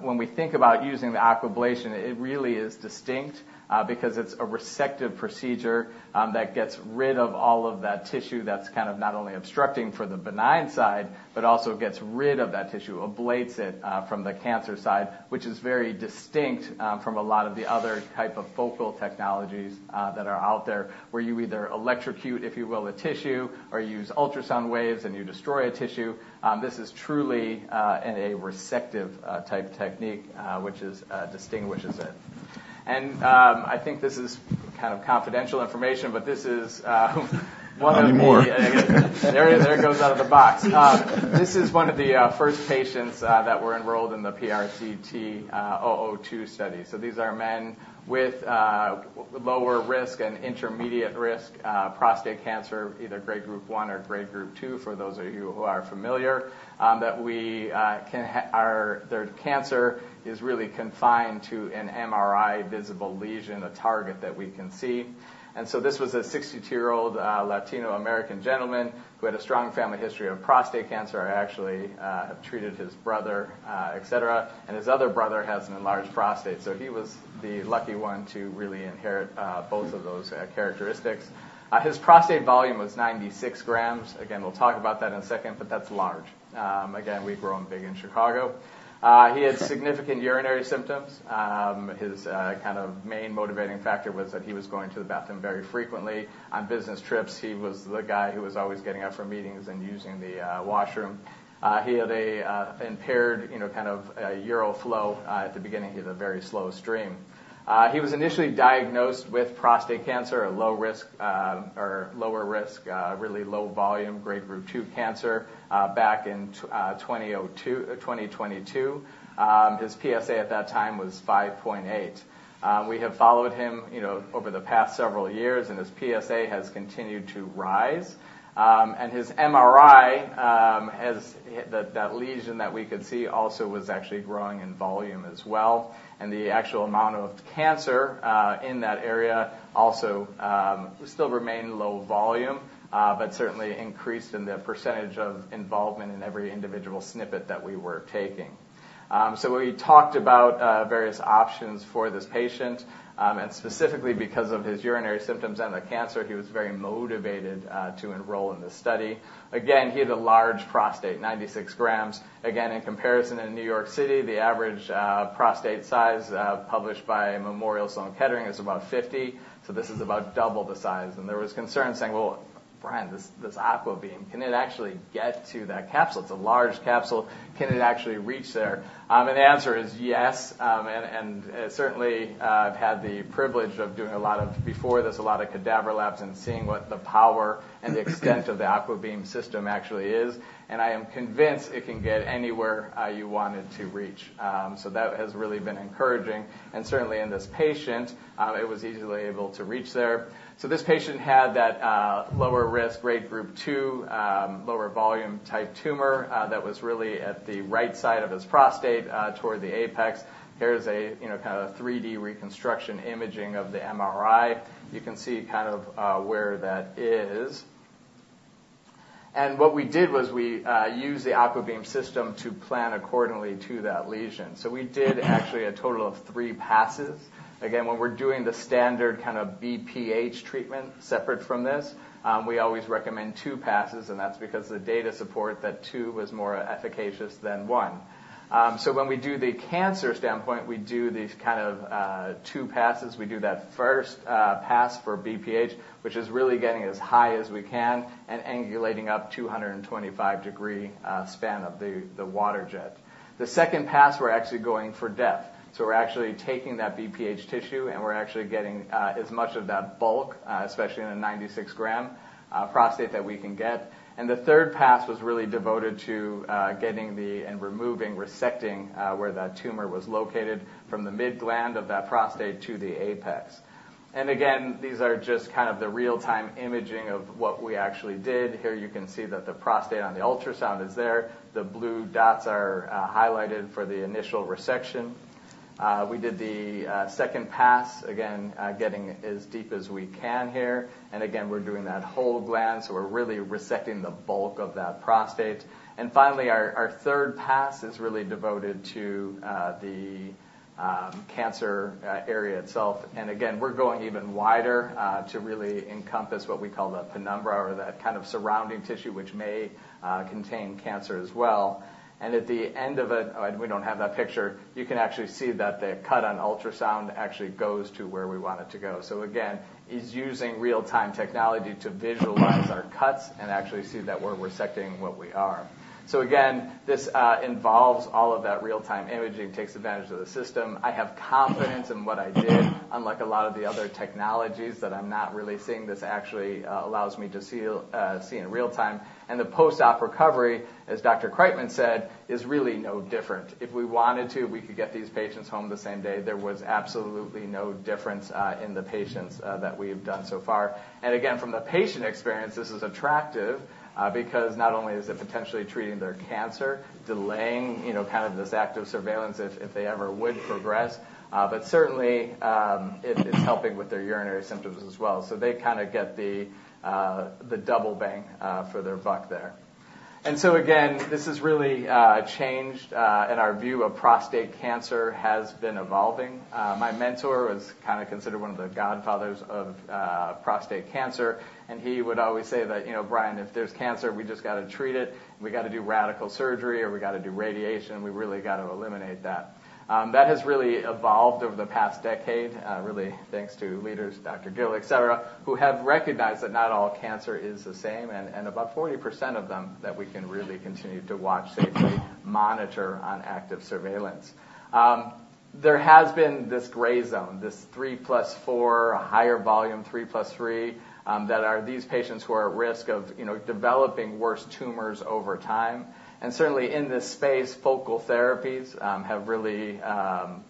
E: when we think about using the Aquablation, it really is distinct, because it's a resective procedure, that gets rid of all of that tissue that's kind of not only obstructing for the benign side but also gets rid of that tissue, ablates it, from the cancer side, which is very distinct, from a lot of the other type of focal technologies, that are out there, where you either electrocute, if you will, a tissue or use ultrasound waves and you destroy a tissue. This is truly, in a resective, type technique, which distinguishes it. And I think this is kind of confidential information, but this is one of the-
A: Not anymore.
E: There, there it goes out of the box. This is one of the first patients that were enrolled in the PRCT002 study. So these are men with lower risk and intermediate risk prostate cancer, either Grade Group one or Grade Group two, for those of you who are familiar. That their cancer is really confined to an MRI-visible lesion, a target that we can see. And so this was a 62-year-old Latino American gentleman who had a strong family history of prostate cancer. I actually have treated his brother et cetera, and his other brother has an enlarged prostate. So he was the lucky one to really inherit both of those characteristics. His prostate volume was 96 grams. Again, we'll talk about that in a second, but that's large. Again, we've grown big in Chicago. He had significant urinary symptoms. His kind of main motivating factor was that he was going to the bathroom very frequently. On business trips, he was the guy who was always getting up from meetings and using the washroom. He had a impaired, you know, kind of uroflow. At the beginning, he had a very slow stream. He was initially diagnosed with prostate cancer at low risk or lower risk, really low volume, Grade Group two cancer, back in 2022. His PSA at that time was 5.8. We have followed him, you know, over the past several years, and his PSA has continued to rise. And his MRI has... That lesion that we could see also was actually growing in volume as well. And the actual amount of cancer in that area also still remained low volume, but certainly increased in the percentage of involvement in every individual snippet that we were taking. So we talked about various options for this patient, and specifically because of his urinary symptoms and the cancer, he was very motivated to enroll in this study. Again, he had a large prostate, 96 grams. Again, in comparison, in New York City, the average prostate size published by Memorial Sloan Kettering is about 50. So this is about double the size. And there was concern saying: "Well, Brian, this AquaBeam, can it actually get to that capsule? It's a large capsule. Can it actually reach there?" And the answer is yes. And certainly, I've had the privilege of doing a lot of... Before this, a lot of cadaver labs and seeing what the power and the extent of the AquaBeam system actually is, and I am convinced it can get anywhere you want it to reach. So that has really been encouraging, and certainly in this patient, it was easily able to reach there. So this patient had that, lower risk, Grade Group two, lower volume-type tumor, that was really at the right side of his prostate, toward the apex. Here's a, you know, kind of 3-D reconstruction imaging of the MRI. You can see kind of, where that is. And what we did was we, used the AquaBeam system to plan accordingly to that lesion. So we did actually a total of three passes. Again, when we're doing the standard kind of BPH treatment, separate from this, and we always recommend two passes, and that's because the data support that two is more efficacious than one. So when we do the cancer standpoint, we do these kind of two passes. We do that first pass for BPH, which is really getting as high as we can and angulating up 225-degree span of the Waterjet. The second pass, we're actually going for depth. So we're actually taking that BPH tissue, and we're actually getting as much of that bulk, especially in a 96-gram prostate, that we can get. And the third pass was really devoted to getting and removing, resecting, where that tumor was located from the mid-gland of that prostate to the apex. And again, these are just kind of the real-time imaging of what we actually did. Here, you can see that the prostate on the ultrasound is there. The blue dots are highlighted for the initial resection. We did the second pass, again, getting as deep as we can here. And again, we're doing that whole gland, so we're really resecting the bulk of that prostate. And finally, our third pass is really devoted to the cancer area itself. And again, we're going even wider to really encompass what we call the penumbra or that kind of surrounding tissue, which may contain cancer as well. And at the end of it, and we don't have that picture, you can actually see that the cut on ultrasound actually goes to where we want it to go. So again, it's using real-time technology to visualize our cuts and actually see that we're resecting what we are. So again, this involves all of that real-time imaging, takes advantage of the system. I have confidence in what I did, unlike a lot of the other technologies that I'm not really seeing, this actually allows me to see in real time. And the post-op recovery, as Dr. Kriteman said, is really no different. If we wanted to, we could get these patients home the same day. There was absolutely no difference in the patients that we have done so far. And again, from the patient experience, this is attractive, because not only is it potentially treating their cancer, delaying, you know, kind of this active surveillance if they ever would progress, but certainly, it is helping with their urinary symptoms as well. So they kind of get the double bang for their buck there. And so again, this has really changed, and our view of prostate cancer has been evolving. My mentor was kind of considered one of the godfathers of prostate cancer, and he would always say that, "You know, Brian, if there's cancer, we just got to treat it. We got to do radical surgery, or we got to do radiation, we really got to eliminate that." That has really evolved over the past decade, really, thanks to leaders, Dr. Gill, et cetera, who have recognized that not all cancer is the same, and about 40% of them that we can really continue to watch safely, monitor on active surveillance. There has been this gray zone, this three plus four, higher volume, three plus three, that are these patients who are at risk of, you know, developing worse tumors over time. And certainly, in this space, focal therapies have really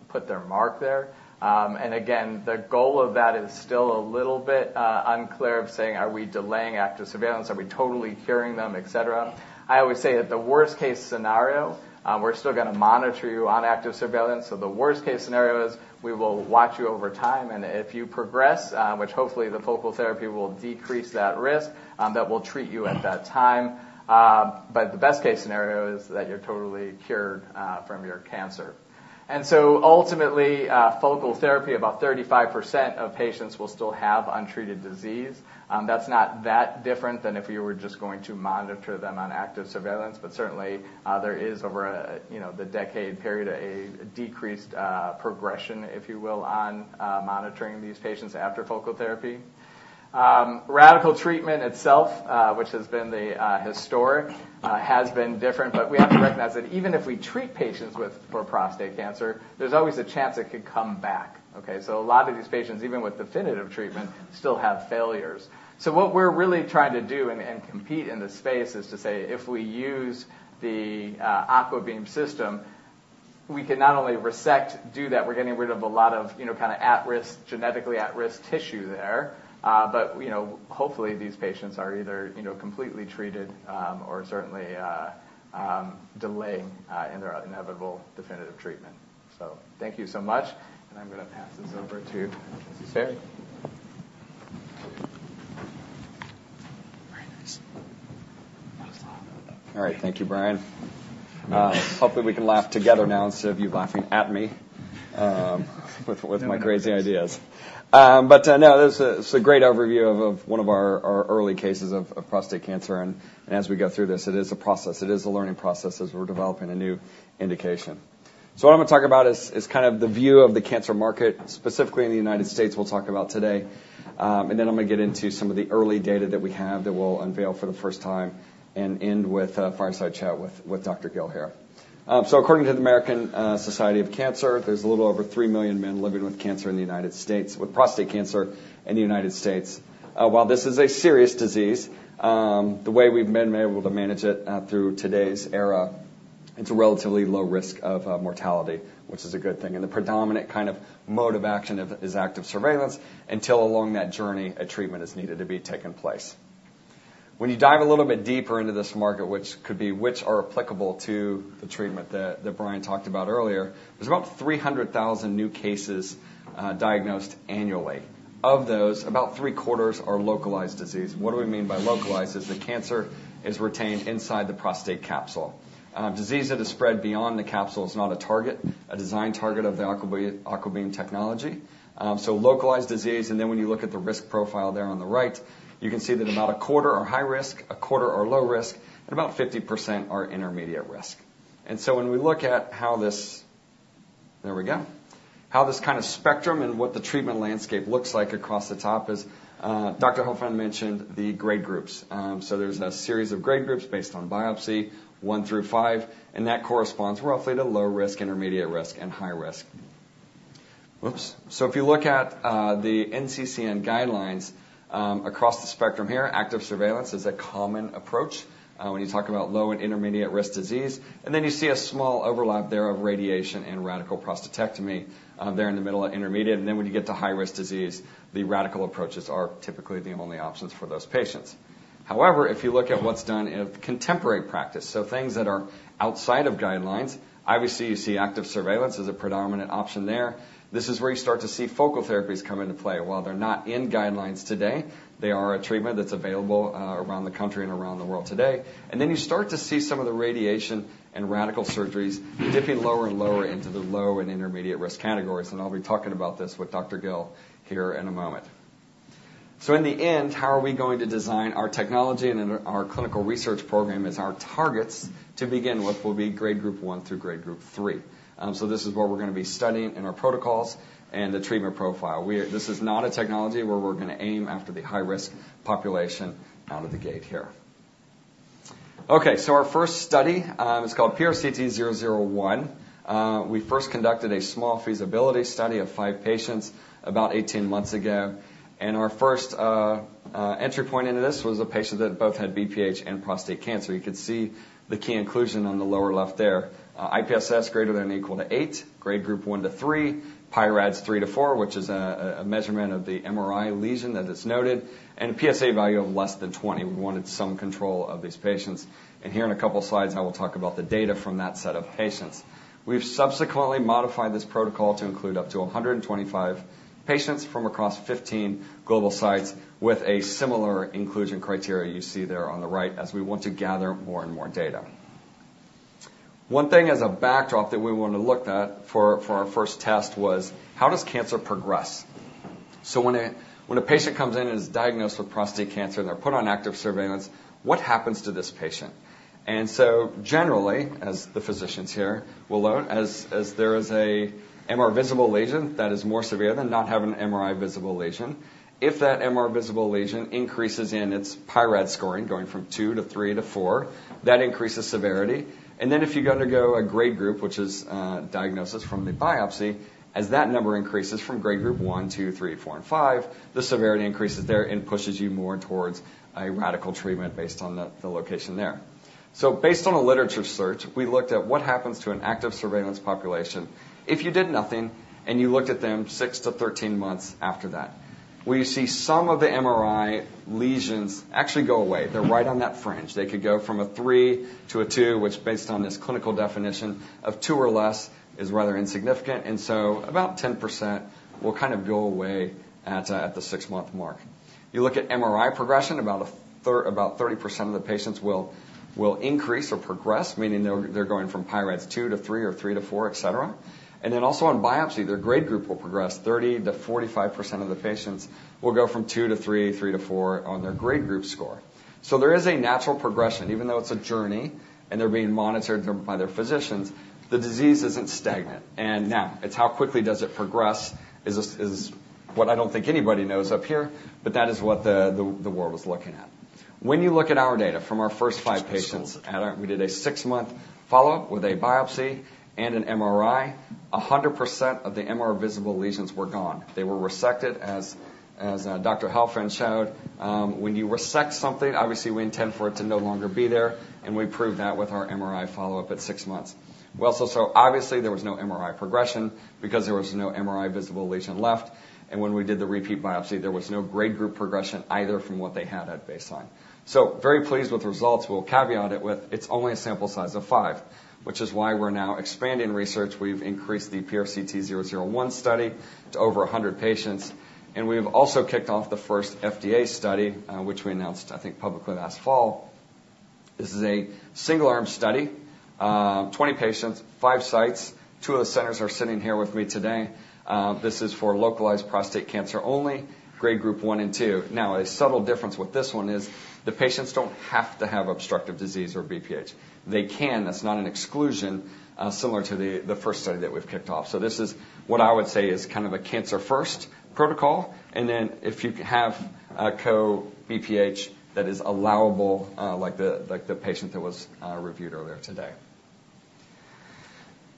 E: put their mark there. And again, the goal of that is still a little bit unclear of saying, Are we delaying active surveillance? Are we totally curing them, et cetera? I always say that the worst-case scenario, we're still going to monitor you on active surveillance. The worst-case scenario is we will watch you over time, and if you progress, which hopefully the focal therapy will decrease that risk, that will treat you at that time. But the best-case scenario is that you're totally cured from your cancer. And so ultimately, focal therapy, about 35% of patients will still have untreated disease. That's not that different than if you were just going to monitor them on active surveillance, but certainly, there is over a, you know, the decade period, a decreased progression, if you will, on monitoring these patients after focal therapy. Radical treatment itself, which has been the historic, has been different. But we have to recognize that even if we treat patients for prostate cancer, there's always a chance it could come back, okay? So a lot of these patients, even with definitive treatment, still have failures. So what we're really trying to do and compete in this space is to say, if we use the AquaBeam system, we can not only resect, do that, we're getting rid of a lot of, you know, kind of at-risk, genetically at-risk tissue there, but, you know, hopefully, these patients are either, you know, completely treated, or certainly delayed in their inevitable definitive treatment. So thank you so much, and I'm going to pass this over to.
F: All right, thanks. All right. Thank you, Brian. Hopefully, we can laugh together now instead of you laughing at me with my crazy ideas. But no, this is a great overview of one of our early cases of prostate cancer, and as we go through this, it is a process. It is a learning process as we're developing a new indication. So what I'm going to talk about is kind of the view of the cancer market, specifically in the United States, we'll talk about today. And then I'm going to get into some of the early data that we have that we'll unveil for the first time and end with a fireside chat with Dr. Gill here. So according to the American Cancer Society, there's a little over 3 million men living with prostate cancer in the United States. While this is a serious disease, the way we've been able to manage it through today's era, it's a relatively low risk of mortality, which is a good thing. The predominant kind of mode of action of it is active surveillance, until along that journey, a treatment is needed to be taken place. When you dive a little bit deeper into this market, which are applicable to the treatment that Brian talked about earlier, there's about 300,000 new cases diagnosed annually. Of those, about three-quarters are localized disease. What do we mean by localized? The cancer is retained inside the prostate capsule. Disease that has spread beyond the capsule is not a target, a design target of the AquaBeam, AquaBeam technology. And so localized disease, and then when you look at the risk profile there on the right, you can see that about 25% are high risk, 25% are low risk, and about 50% are intermediate risk. And so when we look at how this, here we go, how this kind of spectrum and what the treatment landscape looks like across the top, as Dr. Helfand mentioned, the grade groups. So there's a series of grade groups based on biopsy, one through five, and that corresponds roughly to low risk, intermediate risk, and high risk. So if you look at the NCCN guidelines, across the spectrum here, active surveillance is a common approach when you talk about low and intermediate risk disease. And then you see a small overlap there of radiation and radical prostatectomy there in the middle of intermediate. And then when you get to high-risk disease, the radical approaches are typically the only options for those patients. However, if you look at what's done in a contemporary practice, so things that are outside of guidelines, obviously, you see active surveillance is a predominant option there. This is where you start to see focal therapies come into play. While they're not in guidelines today, they are a treatment that's available around the country and around the world today. And then you start to see some of the radiation and radical surgeries dipping lower and lower into the low and intermediate risk categories, and I'll be talking about this with Dr. Gill here in a moment. So in the end, how are we going to design our technology and then our clinical research program as our targets to begin with, will be Grade Group one through Grade Group three. So this is what we're going to be studying in our protocols and the treatment profile. This is not a technology where we're going to aim after the high-risk population out of the gate here. Okay, so our first study is called PRCT001. We first conducted a small feasibility study of five patients about 18 months ago, and our first entry point into this was a patient that both had BPH and prostate cancer. You could see the key inclusion on the lower left there. IPSS greater than or equal to eight, Grade Group one to three, PI-RADS three to four, which is a measurement of the MRI lesion that is noted, and a PSA value of less than 20. We wanted some control of these patients. And here in a couple of slides, I will talk about the data from that set of patients. We've subsequently modified this protocol to include up to 125 patients from across 15 global sites with a similar inclusion criteria you see there on the right, as we want to gather more and more data. One thing as a backdrop that we want to look at for our first test was: how does cancer progress? So when a patient comes in and is diagnosed with prostate cancer, and they're put on Active Surveillance, what happens to this patient? And so generally, as the physicians here will learn, as there is a MR-visible lesion that is more severe than not having an MRI-visible lesion, if that MR-visible lesion increases in its PI-RADS scoring, going from two to three to four, that increases severity. And then if you undergo a grade group, which is diagnosis from the biopsy, as that number increases from grade group one, two, three, four, and five, the severity increases there and pushes you more towards a radical treatment based on the location there. So based on a literature search, we looked at what happens to an active surveillance population if you did nothing, and you looked at them six to 13 months after that. We see some of the MRI lesions actually go away. They're right on that fringe. They could go from a three to a two, which, based on this clinical definition, of two or less, is rather insignificant, and so about 10% will kind of go away at, at the six-month mark. You look at MRI progression, about a third, about 30% of the patients will increase or progress, meaning they're going from PI-RADS two to three or three to four, et cetera. And then also on biopsy, their grade group will progress. 30%-45% of the patients will go from two to three, three to four on their grade group score. So there is a natural progression, even though it's a journey, and they're being monitored by their physicians, the disease isn't stagnant. And that now, it's how quickly does it progress, is is what I don't think anybody knows up here, but that is what the world was looking at. When you look at our data from our first five patients, we did a six-month follow-up with a biopsy and an MRI. 100% of the MRI-visible lesions were gone. They were resected. As Dr. Helfand showed, when you resect something, obviously, we intend for it to no longer be there, and we proved that with our MRI follow-up at six months. Well, so obviously, there was no MRI progression because there was no MRI visible lesion left, and when we did the repeat biopsy, there was no Grade Group progression either from what they had at baseline. So very pleased with the results. We'll caveat it with, it's only a sample size of five, which is why we're now expanding research. We've increased the PRCT001 study to over 100 patients, and we've also kicked off the first FDA study, which we announced, I think, publicly last fall. This is a single-arm study, 20 patients, five sites. Two of the centers are sitting here with me today. This is for localized prostate cancer only, Grade Group one and two. Now, a subtle difference with this one is the patients don't have to have obstructive disease or BPH. They can. That's not an exclusion, similar to the, the first study that we've kicked off. So this is what I would say is kind of a cancer-first protocol, and then if you have a co-BPH, that is allowable, like the patient that was reviewed earlier today.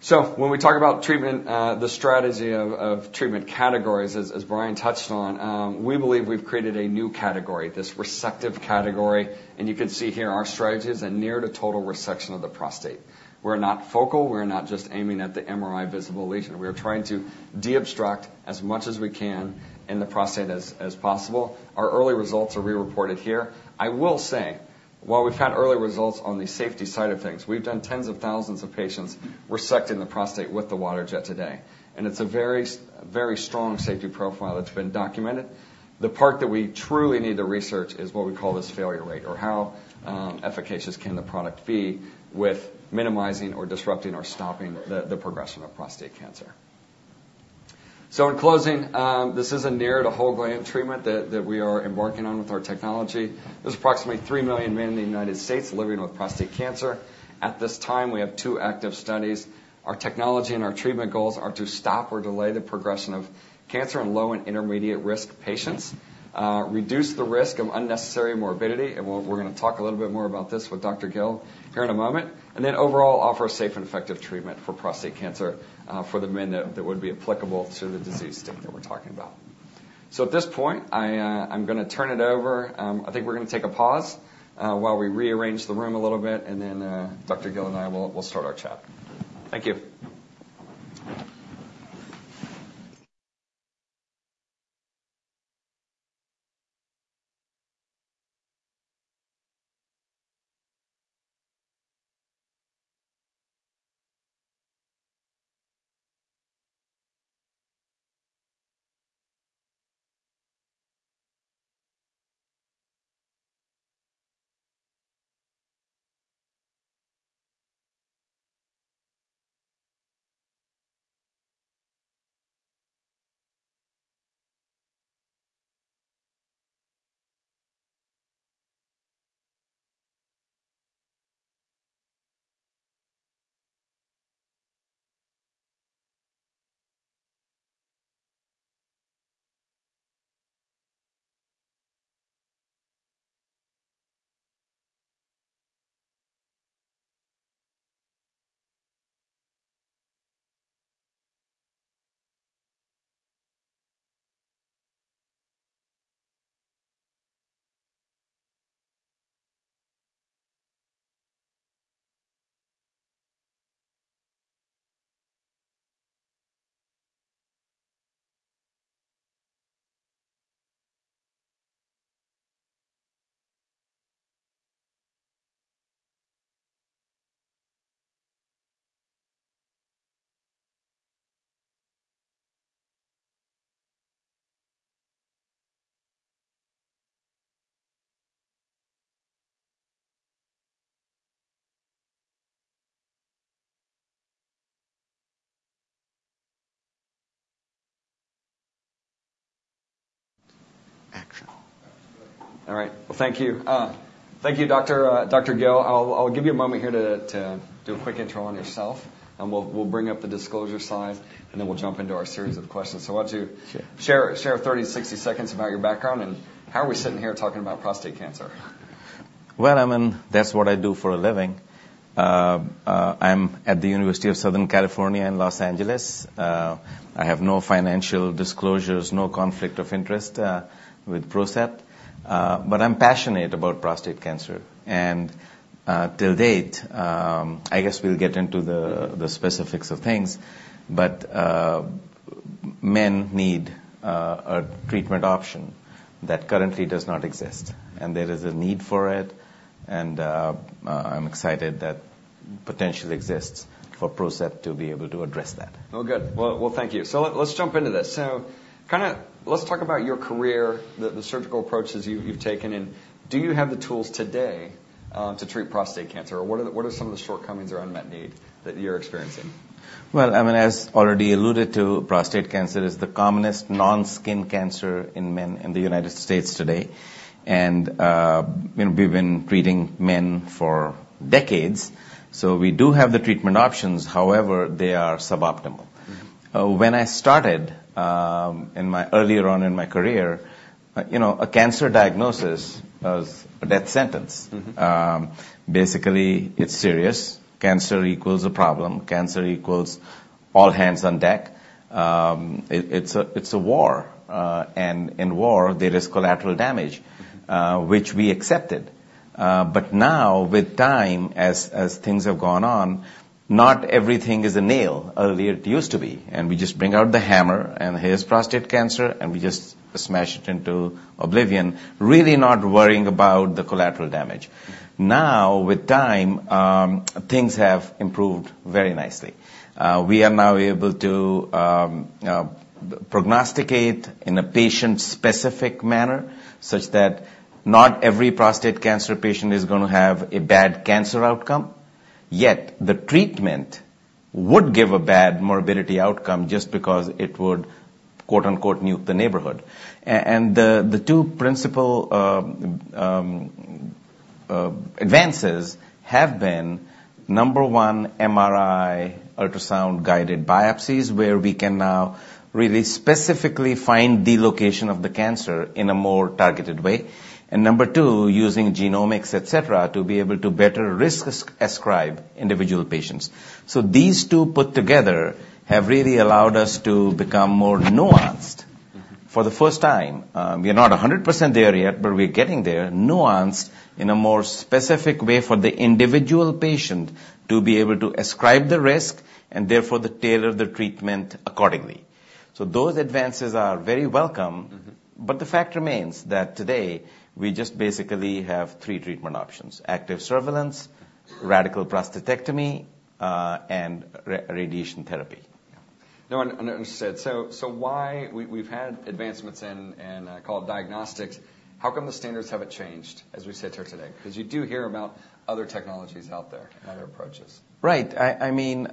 F: So when we talk about treatment, the strategy of treatment categories, as Brian touched on, we believe we've created a new category, this resective category, and you can see here our strategy is a near to total resection of the prostate. We're not focal. We're not just aiming at the MRI visible lesion. We are trying to deobstruct as much as we can in the prostate as possible. Our early results are re-reported here. I will say, while we've had early results on the safety side of things, we've done tens of thousands of patients resecting the prostate with the Waterjet today, and it's a very very strong safety profile that's been documented. The part that we truly need to research is what we call this failure rate, or how efficacious can the product be with minimizing or disrupting or stopping the progression of prostate cancer? So in closing, this is a near to whole gland treatment that we are embarking on with our technology. There's approximately 3 million men in the United States living with prostate cancer. At this time, we have two active studies. Our technology and our treatment goals are to stop or delay the progression of cancer in low and intermediate risk patients, reduce the risk of unnecessary morbidity, and we'll, we're gonna talk a little bit more about this with Dr. Gill here in a moment. And then overall, offer a safe and effective treatment for prostate cancer, for the men that would be applicable to the disease state that we're talking about. So at this point, I, I'm gonna turn it over. I think we're gonna take a pause, while we rearrange the room a little bit, and then, Dr. Gill and I will, we'll start our chat. Thank you.
A: Action.
F: All right. Well, thank you. Thank you, Doctor, Dr. Gill. I'll give you a moment here to do a quick intro on yourself, and we'll bring up the disclosure slide, and then we'll jump into our series of questions. So why don't you-
G: Sure.
F: Share 30-60 seconds about your background, and how are we sitting here talking about prostate cancer?
G: Well, I mean, that's what I do for a living. I'm at the University of Southern California in Los Angeles. I have no financial disclosures, no conflict of interest, with PROCEPT. But I'm passionate about prostate cancer. And, till date, I guess we'll get into the specifics of things, but, men need a treatment option that currently does not exist, and there is a need for it, and, I'm excited that potential exists for PROCEPT to be able to address that.
F: Well, good. Well, thank you. So let's jump into this. So kinda... Let's talk about your career, the surgical approaches you've taken, and do you have the tools today to treat prostate cancer? Or what are some of the shortcomings or unmet need that you're experiencing?
G: Well, I mean, as already alluded to, prostate cancer is the commonest non-skin cancer in men in the United States today. And, you know, we've been treating men for decades, so we do have the treatment options, however, they are suboptimal.
F: Mm-hmm.
G: When I started, in my earlier on in my career, you know, a cancer diagnosis was a death sentence.
F: Mm-hmm.
G: Basically, it's serious. Cancer equals a problem. Cancer equals all hands on deck. It's a war, and in war, there is collateral damage, which we accepted. But now, with time, as things have gone on, not everything is a nail. Earlier, it used to be, and we just bring out the hammer, and here's prostate cancer, and we just smash it into oblivion, really not worrying about the collateral damage. Now, with time, things have improved very nicely. We are now able to prognosticate in a patient-specific manner, such that not every prostate cancer patient is gonna have a bad cancer outcome, yet the treatment would give a bad morbidity outcome just because it would, quote-unquote, "nuke the neighborhood." And the two principal advances have been, number one, MRI, ultrasound-guided biopsies, where we can now really specifically find the location of the cancer in a more targeted way. And number two, using genomics, et cetera, to be able to better risk ascribe individual patients. So these two put together have really allowed us to become more nuanced.
F: Mm-hmm.
G: For the first time, we are not 100% there yet, but we're getting there, nuanced in a more specific way for the individual patient to be able to ascribe the risk, and therefore, tailor the treatment accordingly. So those advances are very welcome.
F: Mm-hmm.
G: But the fact remains that today, we just basically have three treatment options: active surveillance, radical prostatectomy, and radiation therapy.
F: Yeah. Now, understood. So why... We've had advancements in advanced diagnostics. How come the standards haven't changed, as we sit here today? Because you do hear about other technologies out there and other approaches.
G: Right. I mean,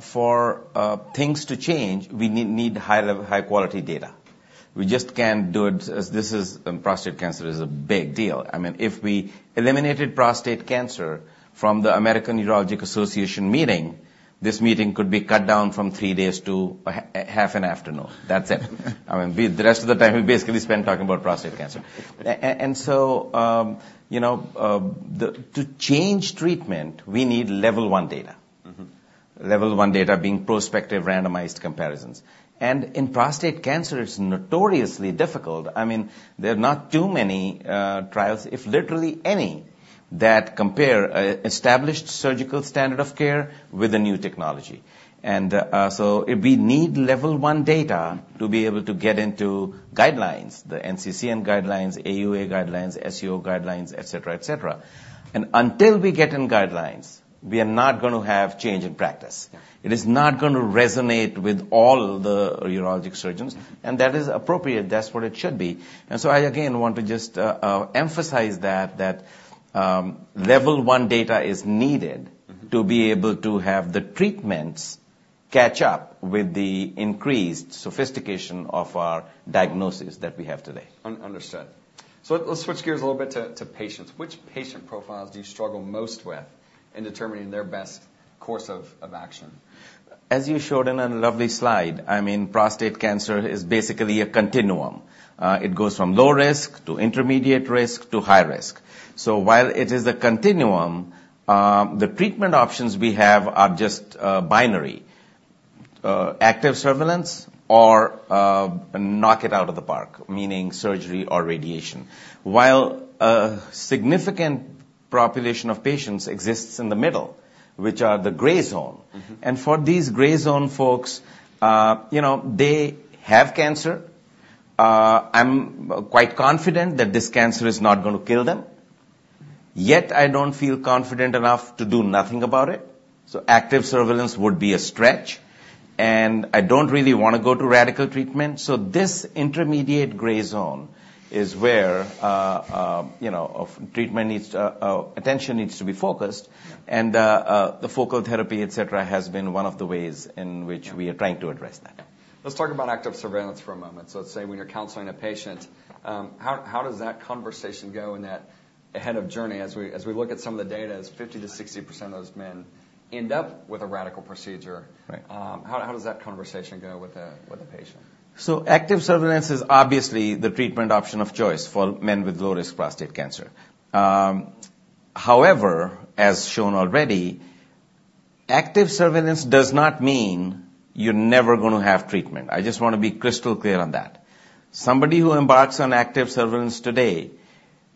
G: for things to change, we need high-level, high-quality data. We just can't do it as this is and prostate cancer is a big deal. I mean, if we eliminated prostate cancer from the American Urological Association meeting, this meeting could be cut down from three days to a half an afternoon. That's it. I mean, we the rest of the time, we basically spend talking about prostate cancer. And so, you know, to change treatment, we need level one data.
F: Mm-hmm.
G: Level One Data being prospective randomized comparisons. And in prostate cancer, it's notoriously difficult. I mean, there are not too many trials, if literally any, that compare an established surgical standard of care with a new technology. And so if we need Level One Data to be able to get into guidelines, the NCCN guidelines, AUA guidelines, SUO guidelines, et cetera, et cetera. Until we get in guidelines, we are not gonna have change in practice.
F: Yeah.
G: It is not gonna resonate with all the urologic surgeons, and that is appropriate. That's what it should be. And so I again want to just emphasize that, that Level One data is needed-
F: Mm-hmm.
G: to be able to have the treatments catch up with the increased sophistication of our diagnosis that we have today.
F: Understood. So let's switch gears a little bit to patients. Which patient profiles do you struggle most with in determining their best course of action?
G: As you showed in a lovely slide, I mean, prostate cancer is basically a continuum. It goes from low risk to intermediate risk to high risk. So while it is a continuum, the treatment options we have are just binary. Active surveillance or knock it out of the park, meaning surgery or radiation. While a significant population of patients exists in the middle, which are the gray zone.
F: Mm-hmm.
G: For these gray zone folks, you know, they have cancer. I'm quite confident that this cancer is not gonna kill them. Yet, I don't feel confident enough to do nothing about it, so Active Surveillance would be a stretch. And I don't really wanna go to radical treatment. So this intermediate gray zone is where, you know, treatment needs to attention needs to be focused.
F: Yeah.
G: And the focal therapy, et cetera, has been one of the ways in which-
F: Yeah
G: We are trying to address that.
F: Let's talk about Active Surveillance for a moment. So let's say when you're counseling a patient, how does that conversation go in that ahead of journey? As we look at some of the data, as 50%-60% of those men end up with a radical procedure.
G: Right.
F: How does that conversation go with a patient?
G: So active Surveillance is obviously the treatment option of choice for men with low-risk prostate cancer. However, as shown already, Active Surveillance does not mean you're never gonna have treatment. I just want to be crystal clear on that. Somebody who embarks on Active Surveillance today,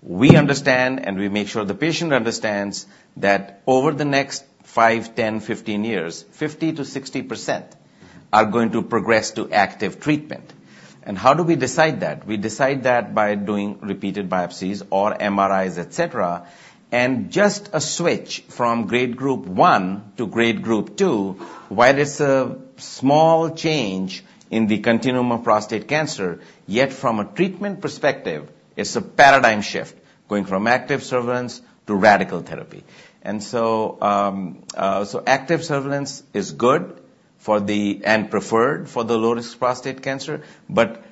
G: we understand, and we make sure the patient understands, that over the next five, 10, 15 years, 50%-60% are going to progress to active treatment. And how do we decide that? We decide that by doing repeated biopsies or MRIs, et cetera. And just a switch from Grade Group one to Grade Group two, while it's a small change in the continuum of prostate cancer, yet from a treatment perspective, it's a paradigm shift, going from Active Surveillance to radical therapy. And so, active surveillance is good for and preferred for the low-risk prostate cancer, but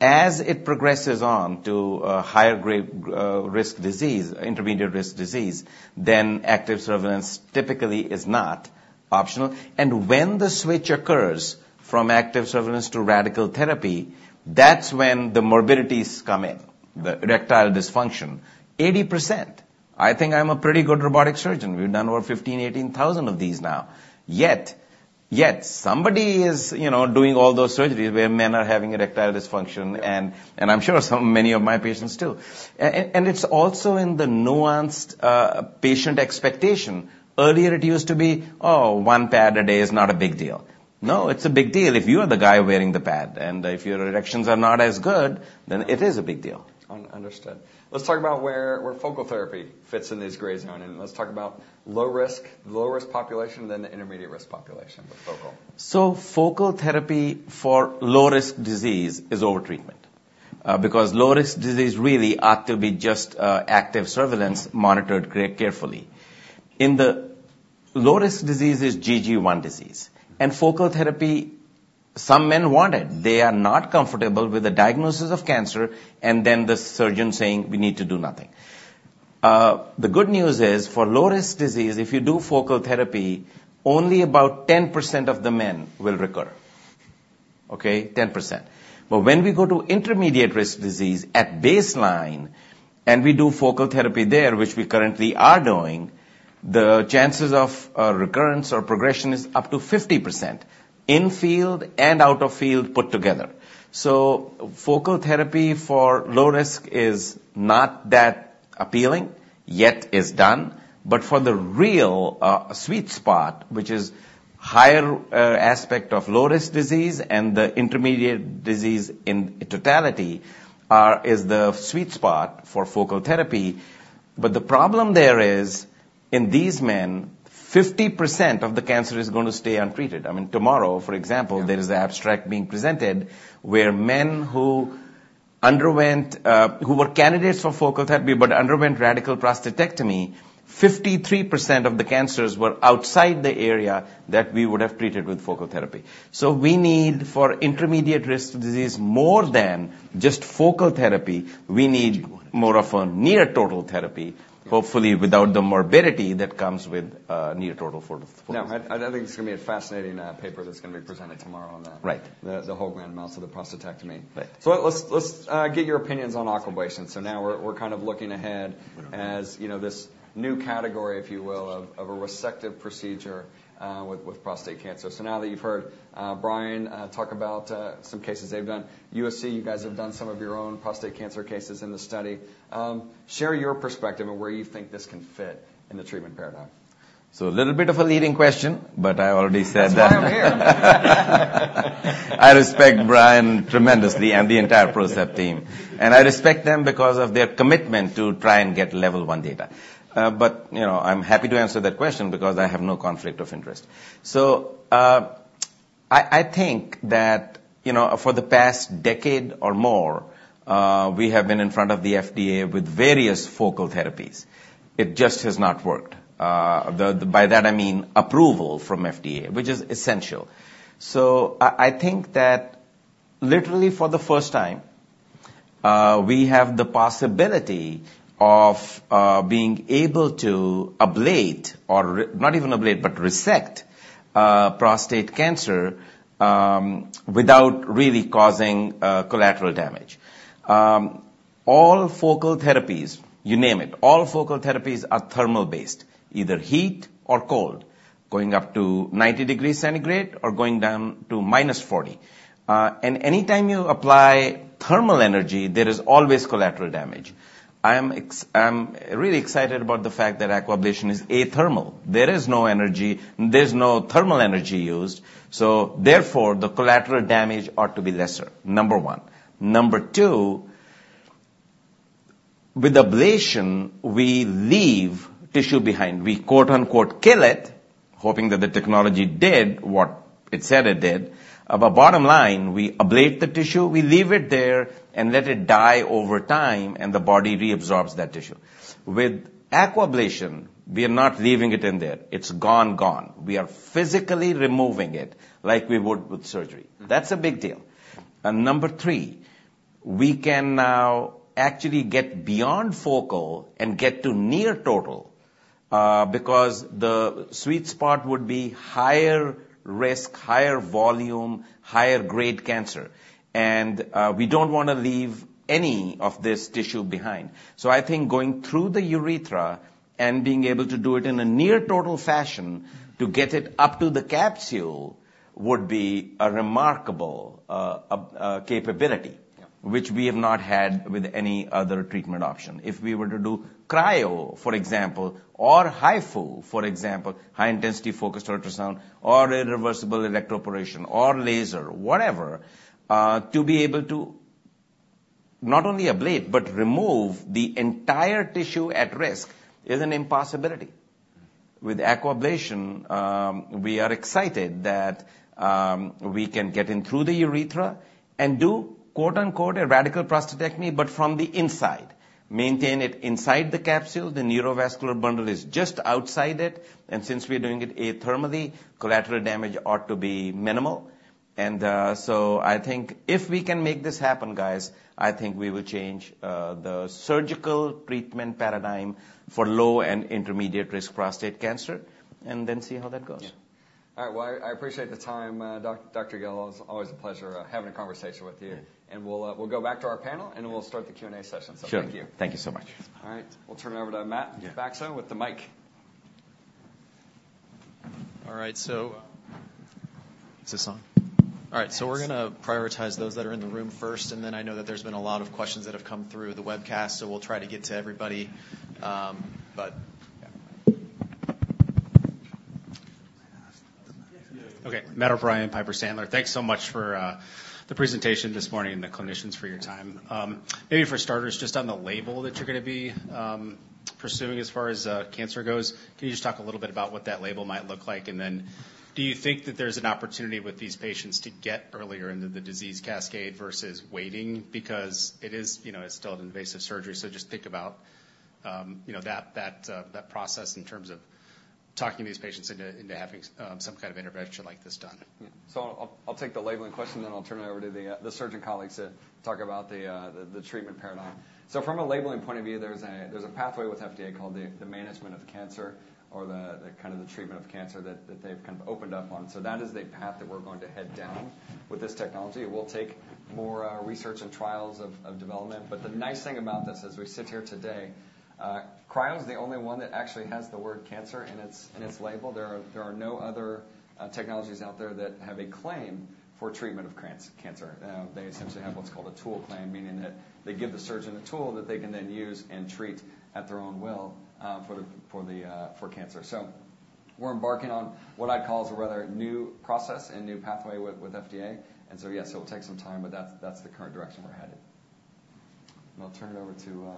G: as it progresses on to a higher-grade, risk disease, intermediate risk disease, then active surveillance typically is not optional. And when the switch occurs from active surveillance to radical therapy, that's when the morbidities come in, the erectile dysfunction, 80%. I think I'm a pretty good robotic surgeon. We've done over 15,000-18,000 of these now. Yet, yet somebody is, you know, doing all those surgeries where men are having erectile dysfunction, and I'm sure so many of my patients, too. And it's also in the nuanced, patient expectation. Earlier, it used to be, "Oh, one pad a day is not a big deal." No, it's a big deal if you are the guy wearing the pad, and if your erections are not as good, then it is a big deal.
F: Understood. Let's talk about where focal therapy fits in this gray zone, and let's talk about low-risk population, then the intermediate risk population with focal.
G: So focal therapy for low-risk disease is overtreatment. Because low-risk disease really ought to be just active surveillance monitored very carefully. In the low-risk disease is GG one disease, and focal therapy, some men want it. They are not comfortable with the diagnosis of cancer, and then the surgeon saying, "We need to do nothing." The good news is, for low-risk disease, if you do focal therapy, only about 10% of the men will recur, okay? 10%. But when we go to intermediate risk disease at baseline, and we do focal therapy there, which we currently are doing, the chances of recurrence or progression is up to 50%, in field and out of field put together. So focal therapy for low risk is not that appealing, yet is done. But for the real sweet spot, which is higher aspect of low-risk disease and the intermediate disease in totality, is the sweet spot for focal therapy. But the problem there is, in these men, 50% of the cancer is gonna stay untreated. I mean, tomorrow, for example, there is an abstract being presented where men who were candidates for focal therapy, but underwent radical prostatectomy, 53% of the cancers were outside the area that we would have treated with focal therapy. So we need, for intermediate-risk disease, more than just focal therapy. We need more of a near total therapy, hopefully without the morbidity that comes with near total focal therapy.
F: Now, I don't think it's gonna be a fascinating paper that's gonna be presented tomorrow on that.
G: Right.
F: The whole gland mass of the prostatectomy.
G: Right.
F: So let's get your opinions on Aquablation. So now we're kind of looking ahead, as you know, this new category, if you will, of a resective procedure with prostate cancer. So now that you've heard Brian talk about some cases they've done, USC, you guys have done some of your own prostate cancer cases in the study. Share your perspective on where you think this can fit in the treatment paradigm.
G: So a little bit of a leading question, but I already said that.
F: That's why I'm here.
G: I respect Brian tremendously and the entire PROCEPT team, and I respect them because of their commitment to try and get Level One Data. But, you know, I'm happy to answer that question because I have no conflict of interest. So, I think that, you know, for the past decade or more, we have been in front of the FDA with various focal therapies. It just has not worked. By that I mean approval from FDA, which is essential. So I think that literally for the first time, we have the possibility of being able to ablate or re-- not even ablate, but resect, prostate cancer, without really causing collateral damage. All focal therapies, you name it, all focal therapies are thermal-based, either heat or cold, going up to 90 degrees centigrade or going down to -40. Anytime you apply thermal energy, there is always collateral damage. I am really excited about the fact that Aquablation is athermal. There's no thermal energy used, so therefore, the collateral damage ought to be lesser, number one. Number two, with ablation, we leave tissue behind. We, quote, unquote, "kill it," hoping that the technology did what it said it did. But bottom line, we ablate the tissue, we leave it there and let it die over time, and the body reabsorbs that tissue. With Aquablation, we are not leaving it in there. It's gone, gone. We are physically removing it like we would with surgery. That's a big deal. And number three, we can now actually get beyond focal and get to near total, because the sweet spot would be higher risk, higher volume, higher grade cancer. And we don't want to leave any of this tissue behind. So I think going through the urethra and being able to do it in a near total fashion to get it up to the capsule would be a remarkable capability-
F: Yeah ...
G: which we have not had with any other treatment option. If we were to do cryo, for example, or HIFU, for example, high-intensity focused ultrasound, or irreversible electroporation or laser, whatever, to be able to not only ablate but remove the entire tissue at risk is an impossibility. With Aquablation, we are excited that we can get in through the urethra and do, quote, unquote, "a radical prostatectomy," but from the inside. Maintain it inside the capsule, the neurovascular bundle is just outside it, and since we're doing it athermally, collateral damage ought to be minimal. And, so I think if we can make this happen, guys, I think we will change the surgical treatment paradigm for low and intermediate-risk prostate cancer, and then see how that goes.
F: Yeah. All right. Well, I appreciate the time, Dr. Gill. It's always a pleasure, having a conversation with you.
G: Yeah.
F: We'll go back to our panel, and we'll start the Q&A session.
G: Sure.
F: Thank you.
G: Thank you so much.
F: All right. We'll turn it over to Matt Bacso-
G: Yeah
F: -with the mic.
H: All right, so... Is this on? All right, so we're going to prioritize those that are in the room first, and then I know that there's been a lot of questions that have come through the webcast, so we'll try to get to everybody, but yeah.
I: Okay. Matt O'Brien, Piper Sandler. Thanks so much for the presentation this morning, and the clinicians, for your time. Maybe for starters, just on the label that you're going to be pursuing as far as cancer goes, can you just talk a little bit about what that label might look like? And then do you think that there's an opportunity with these patients to get earlier into the disease cascade versus waiting? Because it is, you know, it's still an invasive surgery, so just think about, you know, that, that that process in terms of talking these patients into, into having some kind of intervention like this done.
F: So I'll, I'll take the labeling question, then I'll turn it over to the surgeon colleagues to talk about the treatment paradigm. So from a labeling point of view, there's a pathway with FDA called the management of cancer or the kind of the treatment of cancer that they've kind of opened up on. So that is the path that we're going to head down with this technology. It will take more research and trials of development, but the nice thing about this as we sit here today, cryo is the only one that actually has the word cancer in its label. There are no other technologies out there that have a claim for treatment of cancer. They essentially have what's called a tool claim, meaning that they give the surgeon a tool that they can then use and treat at their own will for cancer. So we're embarking on what I'd call is a rather new process and new pathway with FDA. And so, yes, it will take some time, but that's the current direction we're headed.... And I'll turn it over to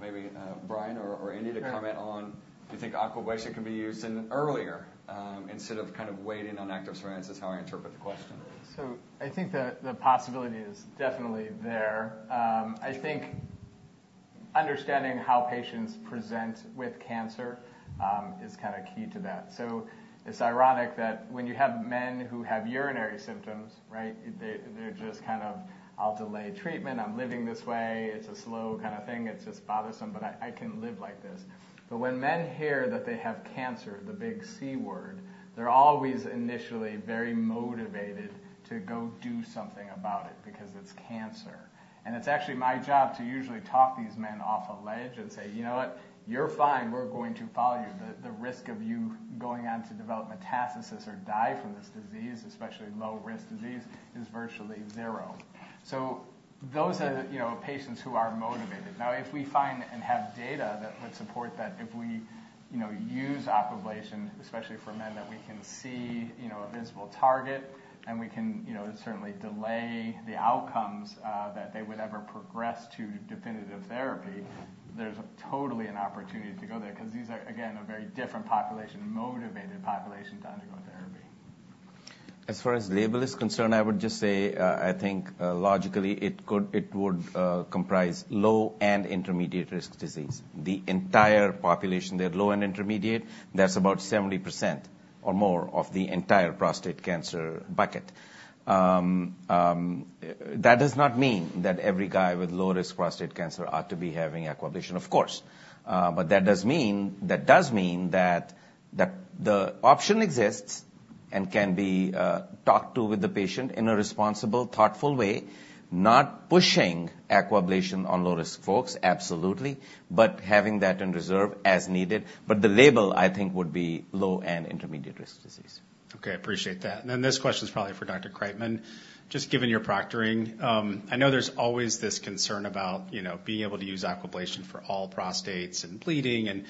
F: maybe Brian or Inderbir to comment on, do you think Aquablation can be used in earlier instead of kind of waiting on active surveillance, is how I interpret the question.
E: So I think the possibility is definitely there. I think understanding how patients present with cancer is kind of key to that. So it's ironic that when you have men who have urinary symptoms, right, they, they're just kind of, "I'll delay treatment. I'm living this way. It's a slow kind of thing. It's just bothersome, but I can live like this." But when men hear that they have cancer, the big C word, they're always initially very motivated to go do something about it because it's cancer. And it's actually my job to usually talk these men off a ledge and say: "You know what? You're fine. We're going to follow you. The risk of you going on to develop metastasis or die from this disease, especially low risk disease, is virtually zero." So those are, you know, patients who are motivated. Now, if we find and have data that would support that, if we, you know, use Aquablation, especially for men, that we can see, you know, a visible target and we can, you know, certainly delay the outcomes that they would ever progress to definitive therapy, there's totally an opportunity to go there, 'cause these are, again, a very different population, motivated population, to undergo therapy.
G: As far as label is concerned, I would just say, I think, logically, it could it would comprise low and intermediate-risk disease. The entire population, they're low and intermediate. That's about 70% or more of the entire prostate cancer bucket. That does not mean that every guy with low-risk prostate cancer ought to be having Aquablation, of course, but that does mean, that does mean that, that the option exists and can be talked to with the patient in a responsible, thoughtful way. Not pushing Aquablation on low-risk folks, absolutely, but having that in reserve as needed. But the label, I think, would be low and intermediate-risk disease.
I: Okay, appreciate that. And then this question is probably for Dr. Kriteman. Just given your proctoring, I know there's always this concern about, you know, being able to use Aquablation for all prostates and bleeding and,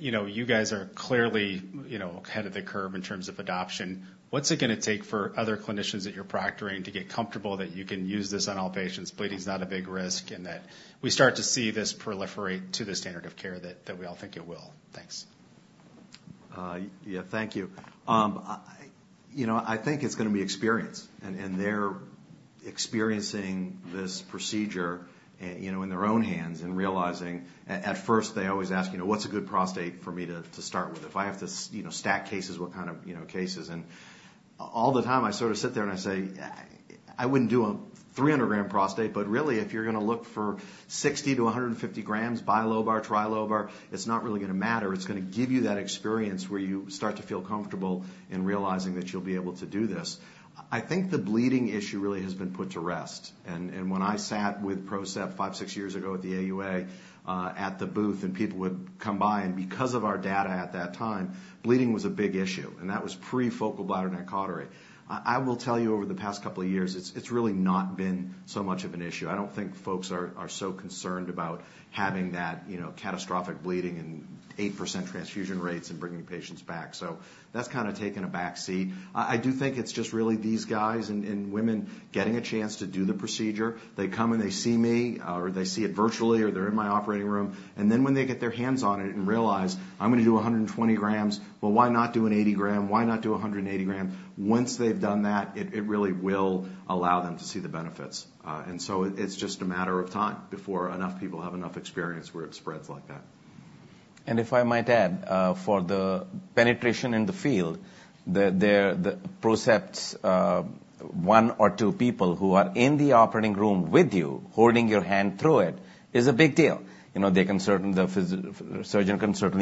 I: you know, you guys are clearly, you know, ahead of the curve in terms of adoption. What's it gonna take for other clinicians that you're proctoring to get comfortable, that you can use this on all patients, bleeding is not a big risk, and that we start to see this proliferate to the standard of care that we all think it will? Thanks.
D: Yeah, thank you. I, you know, I think it's gonna be experience and, and they're experiencing this procedure, you know, in their own hands and realizing... At first, they always ask, you know, "What's a good prostate for me to, to start with? If I have to, you know, stack cases, what kind of, you know, cases?" And all the time, I sort of sit there and I say, "I wouldn't do a 300-gram prostate, but really, if you're gonna look for 60-150 grams, bilobar, trilobar, it's not really gonna matter. It's gonna give you that experience where you start to feel comfortable in realizing that you'll be able to do this." I think the bleeding issue really has been put to rest. And when I sat with PROCEPT five, six years ago at the AUA at the booth, and people would come by, and because of our data at that time, bleeding was a big issue, and that was pre-focal bladder neck cautery. I will tell you, over the past couple of years, it's really not been so much of an issue. I don't think folks are so concerned about having that, you know, catastrophic bleeding and 8% transfusion rates and bringing patients back. So that's kind of taken a back seat. I do think it's just really these guys and women getting a chance to do the procedure. They come, and they see me, or they see it virtually, or they're in my operating room, and then when they get their hands on it and realize, "I'm gonna do 120 grams, but why not do an 80-gram? Why not do a 180-gram?" Once they've done that, it really will allow them to see the benefits. And so it's just a matter of time before enough people have enough experience where it spreads like that.
G: And if I might add, for the penetration in the field, PROCEPT's one or two people who are in the operating room with you, holding your hand through it, is a big deal. You know, they can certainly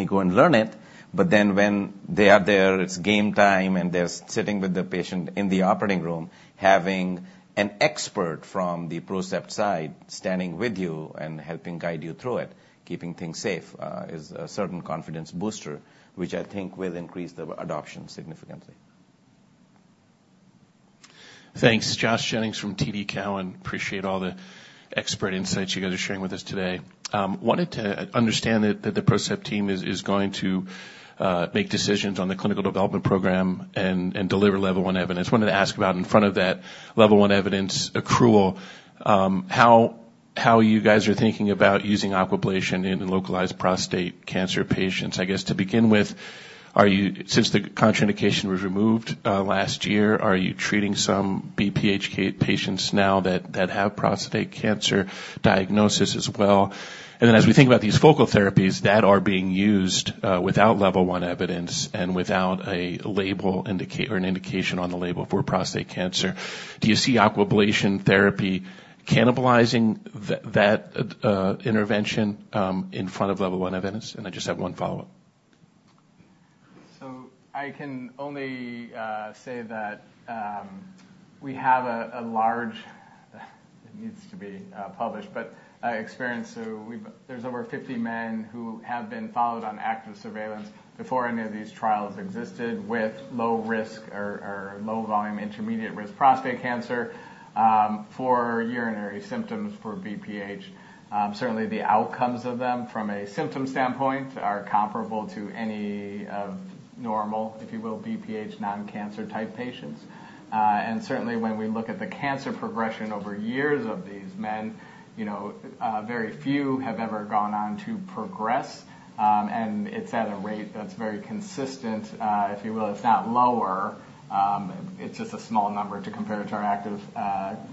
G: go and learn it, but then when they are there, it's game time, and they're sitting with the patient in the operating room, having an expert from the PROCEPT side standing with you and helping guide you through it, keeping things safe, is a certain confidence booster, which I think will increase the adoption significantly.
J: Thanks. Josh Jennings from TD Cowen. Appreciate all the expert insights you guys are sharing with us today. Wanted to understand that the PROCEPT team is going to make decisions on the clinical development program and deliver Level One evidence. Wanted to ask about in front of that level one evidence accrual, how how you guys are thinking about using Aquablation in the localized prostate cancer patients? I guess to begin with, are you— Since the contraindication was removed last year, are you treating some BPH patients now that have prostate cancer diagnosis as well? And then, as we think about these focal therapies that are being used, without level one evidence and without a label or an indication on the label for prostate cancer, do you see Aquablation therapy cannibalizing that intervention, in front of level one evidence? And I just have one follow-up.
E: So I can only say that we have a large experience. It needs to be published, but experience. So there are over 50 men who have been followed on Active Surveillance before any of these trials existed, with low risk or low volume intermediate risk prostate cancer, for urinary symptoms, for BPH. Certainly the outcomes of them from a symptom standpoint are comparable to any of normal, if you will, BPH non-cancer type patients. And certainly, when we look at the cancer progression over years of these men, you know, very few have ever gone on to progress. And it's at a rate that's very consistent, if you will. It's not lower, it's just a small number to compare to our Active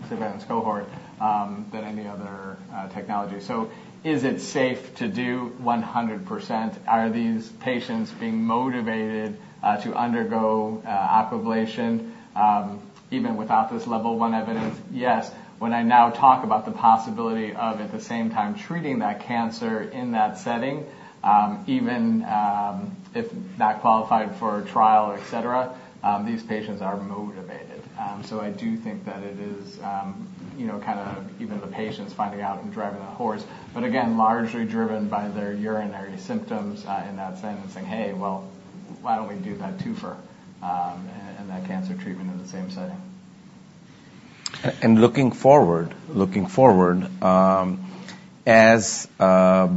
E: Surveillance cohort than any other technology. So is it safe to do 100%? Are these patients being motivated to undergo Aquablation even without this level one evidence? Yes. When I now talk about the possibility of, at the same time, treating that cancer in that setting, even if not qualified for a trial, et cetera, these patients are motivated. And so I do think that it is, you know, kind of even the patients finding out and driving that horse, but again, largely driven by their urinary symptoms in that sense, and saying, "Hey, well, why don't we do that twofer and that cancer treatment in the same setting?
G: And looking forward, looking forward, as the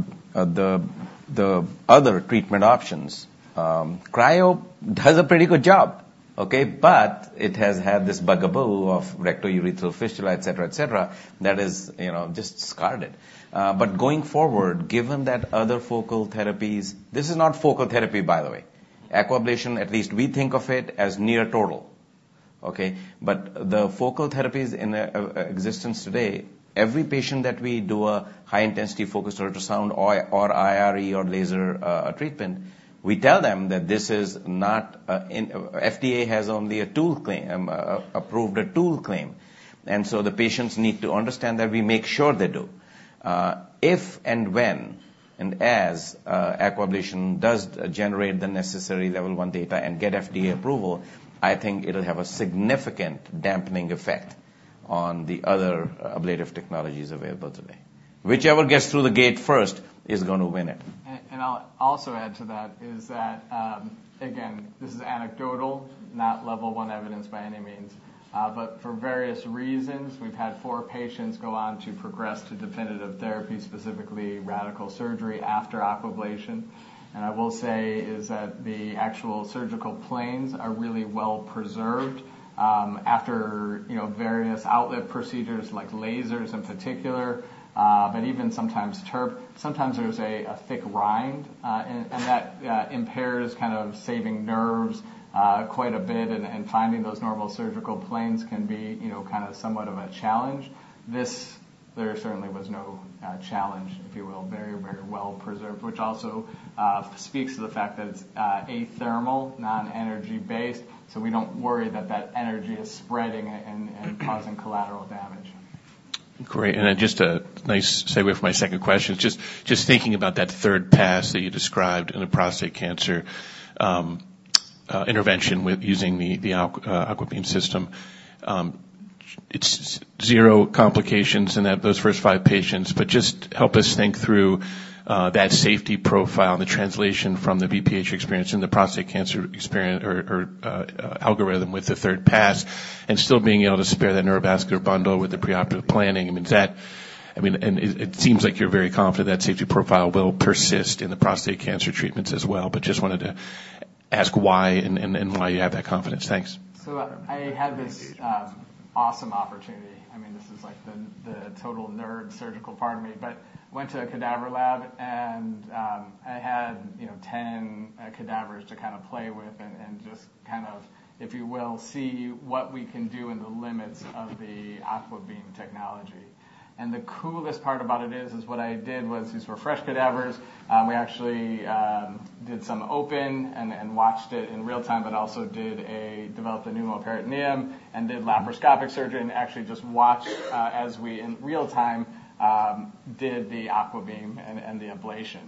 G: other treatment options, cryo does a pretty good job, okay? But it has had this bugaboo of rectourethral fistula, et cetera, et cetera, that is, you know, just discarded. But going forward, given that other focal therapies... This is not focal therapy, by the way. Aquablation, at least we think of it as near total, okay? But the focal therapies in existence today, every patient that we do a high-intensity focused ultrasound or, or IRE or laser treatment, we tell them that this is not, FDA has only a tool claim, approved a tool claim, and so the patients need to understand that we make sure they do. If and when and as Aquablation does generate the necessary Level One Data and get FDA approval, I think it'll have a significant dampening effect on the other ablative technologies available today. Whichever gets through the gate first is gonna win it.
E: And I'll also add to that, that again, this is anecdotal, not level one evidence by any means, but for various reasons, we've had four patients go on to progress to definitive therapy, specifically radical surgery after Aquablation. And I will say is that the actual surgical planes are really well preserved, after, you know, various outlet procedures like lasers in particular, but even sometimes TURP. Sometimes there's a thick rind, and that impairs kind of saving nerves quite a bit, and finding those normal surgical planes can be, you know, kind of somewhat of a challenge. There certainly was no challenge, if you will. Very, very well preserved, which also speaks to the fact that it's athermal, non-energy based, so we don't worry that that energy is spreading and causing collateral damage.
J: Great. And then just a nice segue for my second question. Just thinking about that third pass that you described in the prostate cancer intervention with using the AquaBeam system. It's zero complications in those first five patients, but just help us think through that safety profile and the translation from the BPH experience and the prostate cancer experience or algorithm with the third pass, and still being able to spare that neurovascular bundle with the preoperative planning. I mean, and it seems like you're very confident that safety profile will persist in the prostate cancer treatments as well, but just wanted to ask why and why you have that confidence. Thanks.
E: So I had this awesome opportunity. I mean, this is like the total nerd surgical part of me, but went to a cadaver lab, and I had, you know, 10 cadavers to kind of play with and just kind of, if you will, see what we can do in the limits of the AquaBeam technology. And the coolest part about it is what I did was, these were fresh cadavers. We actually did some open and watched it in real time, but also developed a pneumoperitoneum and did laparoscopic surgery and actually just watched as we, in real time, did the AquaBeam and the ablation.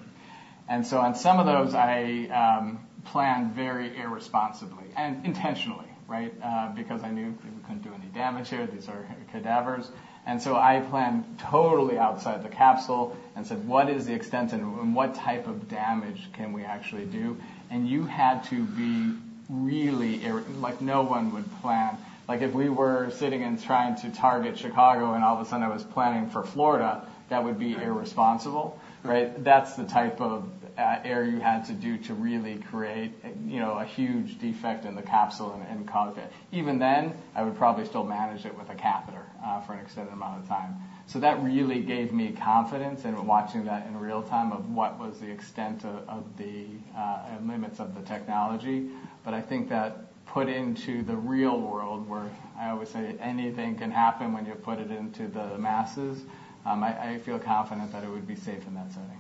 E: And so on some of those, I planned very irresponsibly and intentionally, right? Because I knew we couldn't do any damage here. These are cadavers. And so I planned totally outside the capsule and said: What is the extent and what type of damage can we actually do? And you had to be really. Like, no one would plan. Like, if we were sitting and trying to target Chicago, and all of a sudden I was planning for Florida, that would be irresponsible, right? That's the type of error you had to do to really create, you know, a huge defect in the capsule and cause it. Even then, I would probably still manage it with a catheter for an extended amount of time. So that really gave me confidence in watching that in real time of what was the extent of the limits of the technology. But I think that, put into the real world, where I always say anything can happen when you put it into the masses, I feel confident that it would be safe in that setting.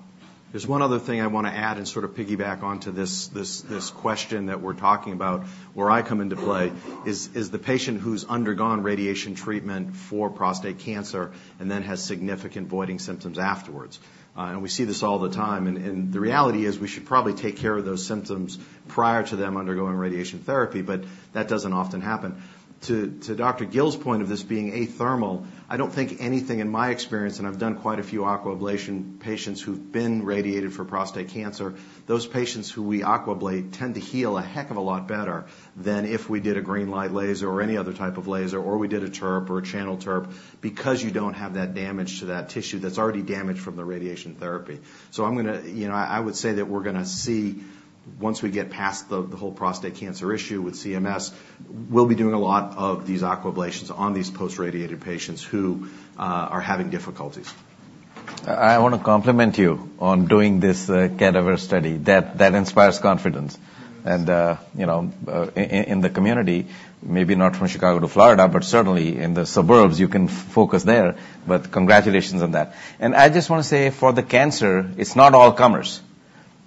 D: There's one other thing I want to add and sort of piggyback onto this question that we're talking about. Where I come into play is the patient who's undergone radiation treatment for prostate cancer and then has significant voiding symptoms afterwards. And we see this all the time, and the reality is we should probably take care of those symptoms prior to them undergoing radiation therapy, but that doesn't often happen. To Dr. Gill's point of this being athermal, I don't think anything in my experience, and I've done quite a few Aquablation patients who've been radiated for prostate cancer, those patients who we Aquablate tend to heal a heck of a lot better than if we did a GreenLight Laser or any other type of laser, or we did a TURP or a channel TURP, because you don't have that damage to that tissue that's already damaged from the radiation therapy. So I'm gonna... You know, I would say that we're gonna see once we get past the whole prostate cancer issue with CMS, we'll be doing a lot of these Aquablation on these post-radiated patients who are having difficulties.
G: I want to compliment you on doing this cadaver study. That that inspires confidence. And you know, in the community, maybe not from Chicago to Florida, but certainly in the suburbs, you can focus there. But congratulations on that. And I just want to say, for the cancer, it's not all comers.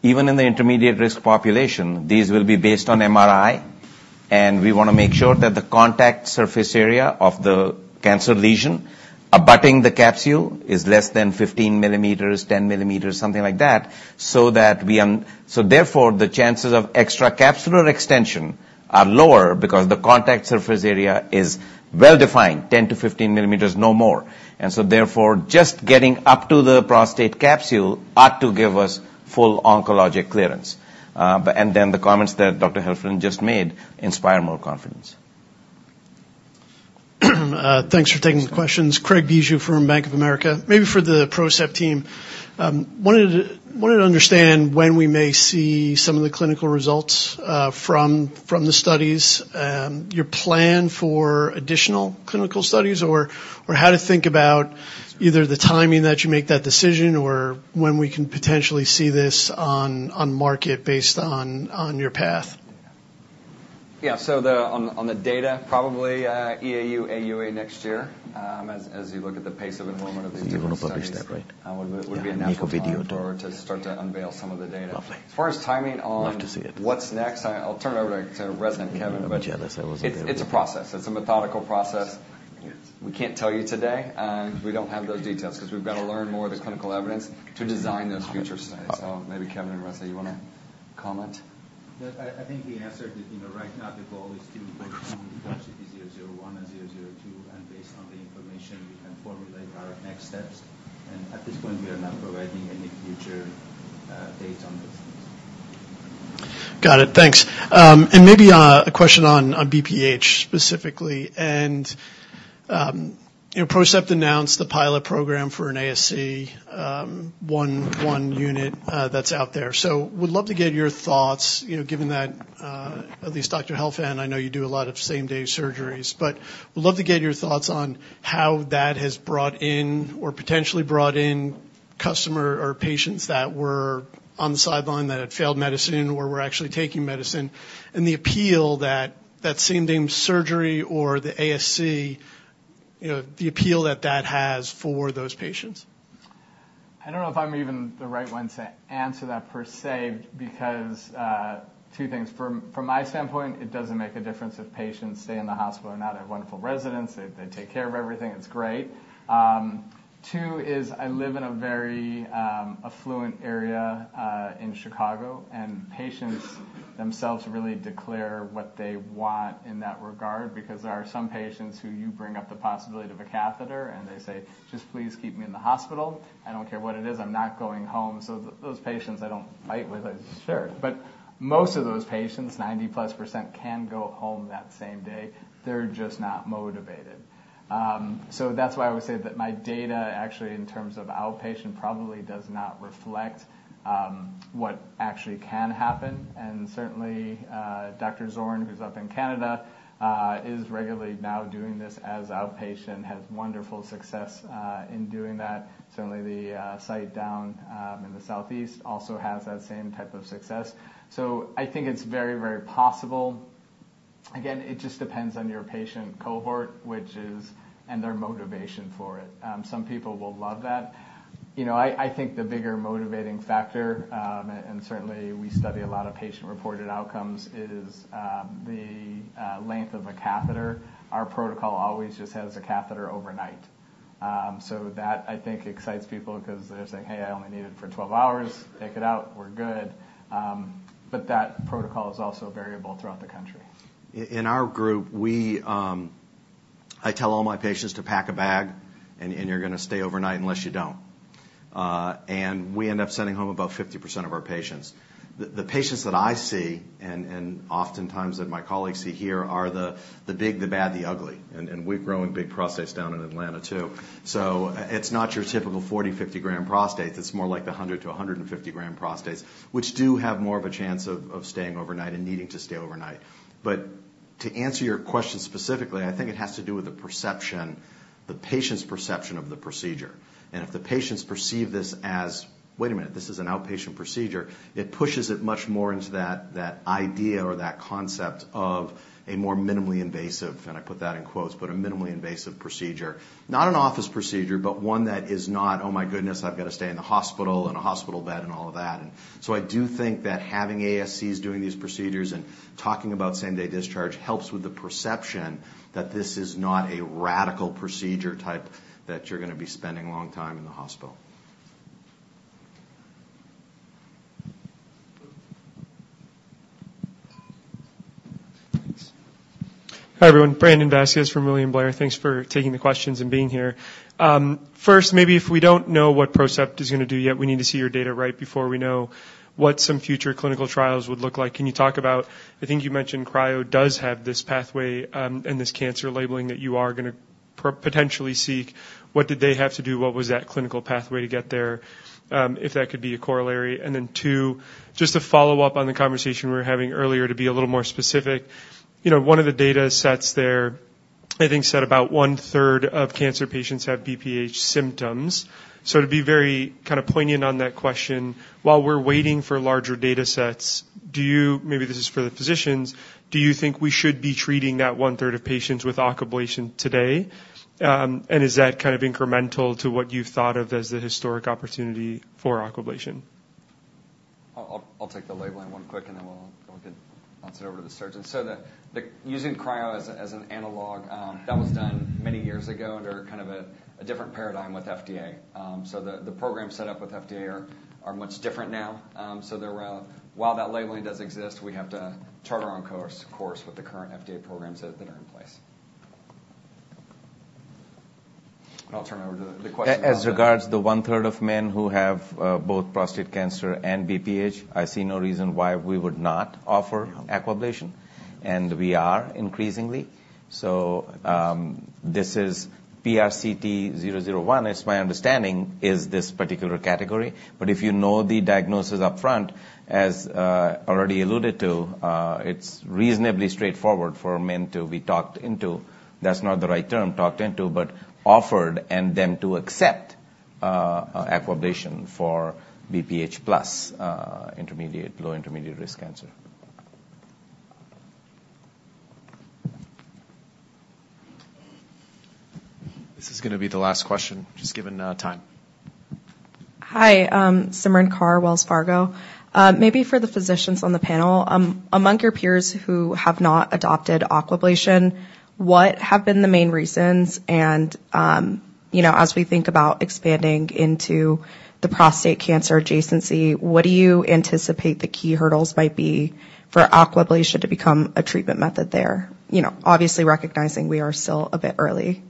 G: Even in the intermediate risk population, these will be based on MRI, and we want to make sure that the contact surface area of the cancer lesion abutting the capsule is less than 15 mm, 10 mm, something like that, so that we so therefore, the chances of extracapsular extension are lower because the contact surface area is well defined, 10-15 mm, no more. And so therefore, just getting up to the prostate capsule ought to give us full oncologic clearance. And then the comments that Dr. Helfand just made inspire more confidence.
K: Thanks for taking these questions. Craig Bijou from Bank of America. Maybe for the PROCEPT team, wanted to wanted to understand when we may see some of the clinical results from from the studies, and your plan for additional clinical studies, or how to think about either the timing that you make that decision or when we can potentially see this on market based on your path.
F: Yeah. So on the data, probably EAU, AUA next year. As you look at the pace of enrollment of these different studies-
D: You're going to publish that, right?
F: Would be a natural time-
D: Make a video, too.
F: For to start to unveil some of the data.
D: Lovely.
F: As far as timing on-
D: Love to see it.
F: What's next, I'll turn it over to Reza and Kevin.
D: I'm a bit jealous I wasn't there.
F: It's, it's a process. It's a methodical process. We can't tell you today. We don't have those details because we've got to learn more of the clinical evidence to design those future studies. So maybe Kevin and Reza, you want to comment?
B: Yes, I think the answer is, you know, right now, the goal is to go through 001 and 002, and based on the information, we can formulate our next steps. At this point, we are not providing any future dates on this.
K: Got it, thanks. And maybe a question on BPH, specifically. And you know, PROCEPT announced the pilot program for an ASC, one one unit that's out there. So would love to get your thoughts, you know, given that at least Dr. Helfand, I know you do a lot of same-day surgeries, but would love to get your thoughts on how that has brought in or potentially brought in customer or patients that were on the sideline that had failed medicine or were actually taking medicine, and the appeal that same-day surgery or the ASC, you know, the appeal that that has for those patients.
E: I don't know if I'm even the right one to answer that per se, because, two things. From my standpoint, it doesn't make a difference if patients stay in the hospital or not. I have wonderful residents. They take care of everything. It's great. Two is I live in a very affluent area in Chicago, and patients themselves really declare what they want in that regard because there are some patients who you bring up the possibility of a catheter, and they say, "Just please keep me in the hospital. I don't care what it is, I'm not going home." So those patients I don't fight with. I say, "Sure." But most of those patients, 90%+, can go home that same day. They're just not motivated. So that's why I would say that my data, actually, in terms of outpatient, probably does not reflect what actually can happen. And certainly, Dr. Zorn, who's up in Canada, is regularly now doing this as outpatient, has wonderful success in doing that. Certainly, the site down in the southeast also has that same type of success. So I think it's very, very possible. Again, it just depends on your patient cohort, which is... And their motivation for it. Some people will love that. You know, I think the bigger motivating factor, and certainly we study a lot of patient-reported outcomes, is the length of a catheter. Our protocol always just has a catheter overnight. So that, I think, excites people because they're saying: Hey, I only need it for 12 hours. Take it out. We're good. But that protocol is also variable throughout the country.
D: In our group, we, I tell all my patients to pack a bag, and, and you're gonna stay overnight unless you don't. And we end up sending home about 50% of our patients. The patients that I see, and, and oftentimes that my colleagues see here, are the big, the bad, the ugly, and, and we're growing big prostates down in Atlanta, too. So it's not your typical 40, 50 gram prostate. It's more like the 100gram-150gram prostates, which do have more of a chance of staying overnight and needing to stay overnight. But to answer your question specifically, I think it has to do with the perception, the patient's perception of the procedure. And if the patients perceive this as, "Wait a minute, this is an outpatient procedure," it pushes it much more into that idea or that concept of a more minimally invasive, and I put that in quotes, but a minimally invasive procedure. Not an office procedure, but one that is not, "Oh, my goodness, I've got to stay in the hospital, in a hospital bed," and all of that. So I do think that having ASCs doing these procedures and talking about same-day discharge helps with the perception that this is not a radical procedure type, that you're going to be spending a long time in the hospital.
K: Thanks.
L: Hi, everyone. Brandon Vazquez from William Blair. Thanks for taking the questions and being here. First, maybe if we don't know what PROCEPT is going to do yet, we need to see your data, right, before we know what some future clinical trials would look like. Can you talk about... I think you mentioned Cryo does have this pathway, and this cancer labeling that you are gonna..... potentially seek, what did they have to do? What was that clinical pathway to get there? If that could be a corollary. And then two, just to follow up on the conversation we were having earlier, to be a little more specific, you know, one of the data sets there, I think, said about 1/3 of cancer patients have BPH symptoms. So to be very kind of poignant on that question, while we're waiting for larger data sets, do you, maybe this is for the physicians, do you think we should be treating that 1/3 of patients with Aquablation today? And is that kind of incremental to what you've thought of as the historic opportunity for Aquablation?
C: I'll take the labeling one quick, and then we'll get bounce it over to the surgeon. So using cryo as an analog, that was done many years ago under kind of a different paradigm with FDA. So the program set up with FDA are much different now. So there, while that labeling does exist, we have to chart our own course with the current FDA programs that are in place. And I'll turn it over to the question-
G: As regards to the 1/3 of men who have both prostate cancer and BPH, I see no reason why we would not offer Aquablation, and we are increasingly. So, this is PRCT001, it's my understanding, is this particular category. But if you know the diagnosis upfront, as already alluded to, it's reasonably straightforward for men to be talked into... That's not the right term, talked into, but offered and then to accept Aquablation for BPH plus intermediate, low-intermediate risk cancer.
H: This is gonna be the last question, just given, time.
M: Hi, Simran Kaur, Wells Fargo. Maybe for the physicians on the panel, among your peers who have not adopted Aquablation, what have been the main reasons? And you know, as we think about expanding into the prostate cancer adjacency, what do you anticipate the key hurdles might be for Aquablation to become a treatment method there? You know, obviously recognizing we are still a bit early.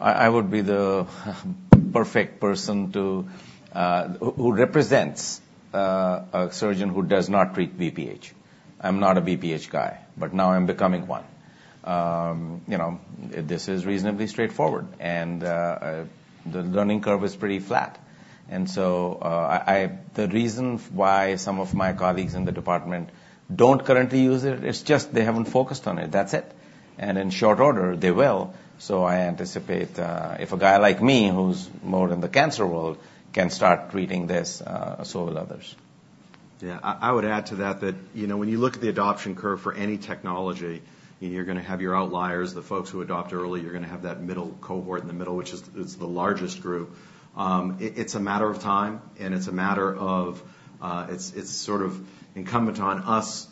G: I would be the perfect person to who represents a surgeon who does not treat BPH. I'm not a BPH guy, but now I'm becoming one. You know, this is reasonably straightforward, and the learning curve is pretty flat. And so I, the reason why some of my colleagues in the department don't currently use it, it's just they haven't focused on it. That's it. And in short order, they will. So I anticipate, if a guy like me, who's more in the cancer world, can start treating this, so will others.
D: Yeah, I would add to that that you know, when you look at the adoption curve for any technology, you're gonna have your outliers, the folks who adopt early. You're gonna have that middle cohort in the middle, which is the largest group. It's a matter of time, and it's a matter of, it's sort of incumbent on us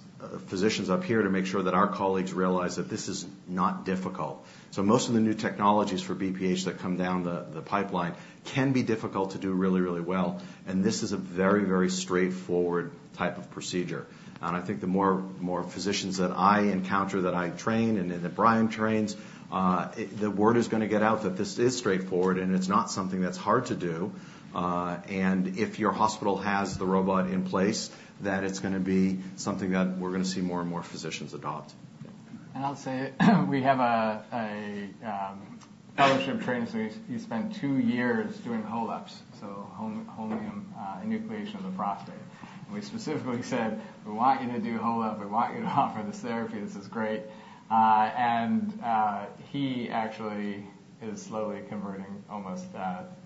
D: physicians up here to make sure that our colleagues realize that this is not difficult. So most of the new technologies for BPH that come down the pipeline can be difficult to do really, really well, and this is a very, very straightforward type of procedure. And I think the more more physicians that I encounter, that I train, and then that Brian trains, the word is gonna get out that this is straightforward, and it's not something that's hard to do.
C: And if your hospital has the robot in place, that it's gonna be something that we're gonna see more and more physicians adopt.
E: And I'll say, we have a fellowship training. So he spent two years doing HoLEPs, so holmium enucleation of the prostate. We specifically said: "We want you to do HoLEP. We want you to offer this therapy. This is great." And he actually is slowly converting almost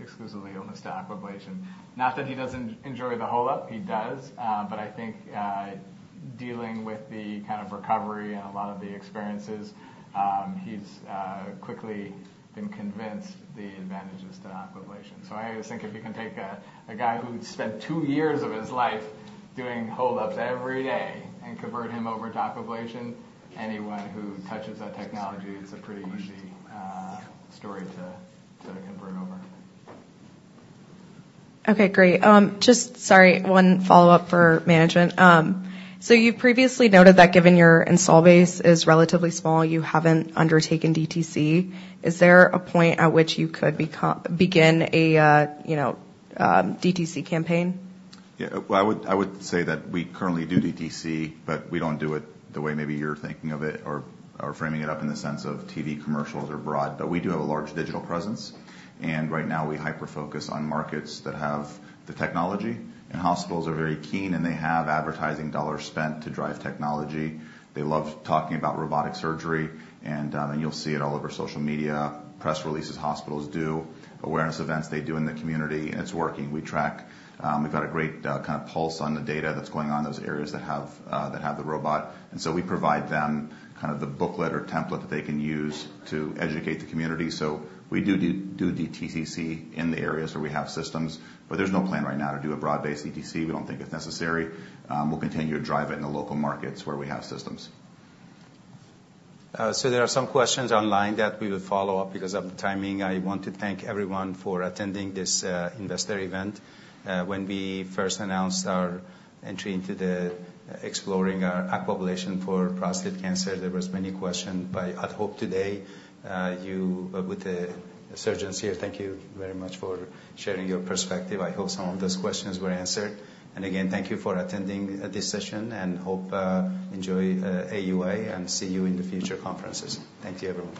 E: exclusively almost to Aquablation. Not that he doesn't enjoy the HoLEP, he does, but I think dealing with the kind of recovery and a lot of the experiences, he's quickly been convinced the advantages to Aquablation. So I always think if you can take a guy who spent two years of his life doing HoLEPs every day and convert him over to Aquablation, anyone who touches that technology, it's a pretty easy story to convert over.
M: Okay, great. Sorry, one follow-up for management. So you've previously noted that given your install base is relatively small, you haven't undertaken DTC. Is there a point at which you could begin a, you know, DTC campaign?
D: Yeah. Well, I would say that we currently do DTC, but we don't do it the way maybe you're thinking of it or framing it up in the sense of TV commercials or broad. But we do have a large digital presence, and right now we hyper-focus on markets that have the technology. And hospitals are very keen, and they have advertising dollars spent to drive technology. They love talking about robotic surgery, and you'll see it all over social media, press releases hospitals do, awareness events they do in the community, and it's working. We track. We've got a great kind of pulse on the data that's going on in those areas that have the robot. And so we provide them kind of the booklet or template that they can use to educate the community. So we do DTC in the areas where we have systems, but there's no plan right now to do a broad-based DTC. We don't think it's necessary. We'll continue to drive it in the local markets where we have systems.
G: And so there are some questions online that we will follow up. Because of the timing, I want to thank everyone for attending this investor event. When we first announced our entry into the exploring Aquablation for prostate cancer, there was many question, but I'd hope today, you... With the surgeons here, thank you very much for sharing your perspective. I hope some of those questions were answered. And again, thank you for attending this session, and hope enjoy AUA, and see you in the future conferences. Thank you, everyone.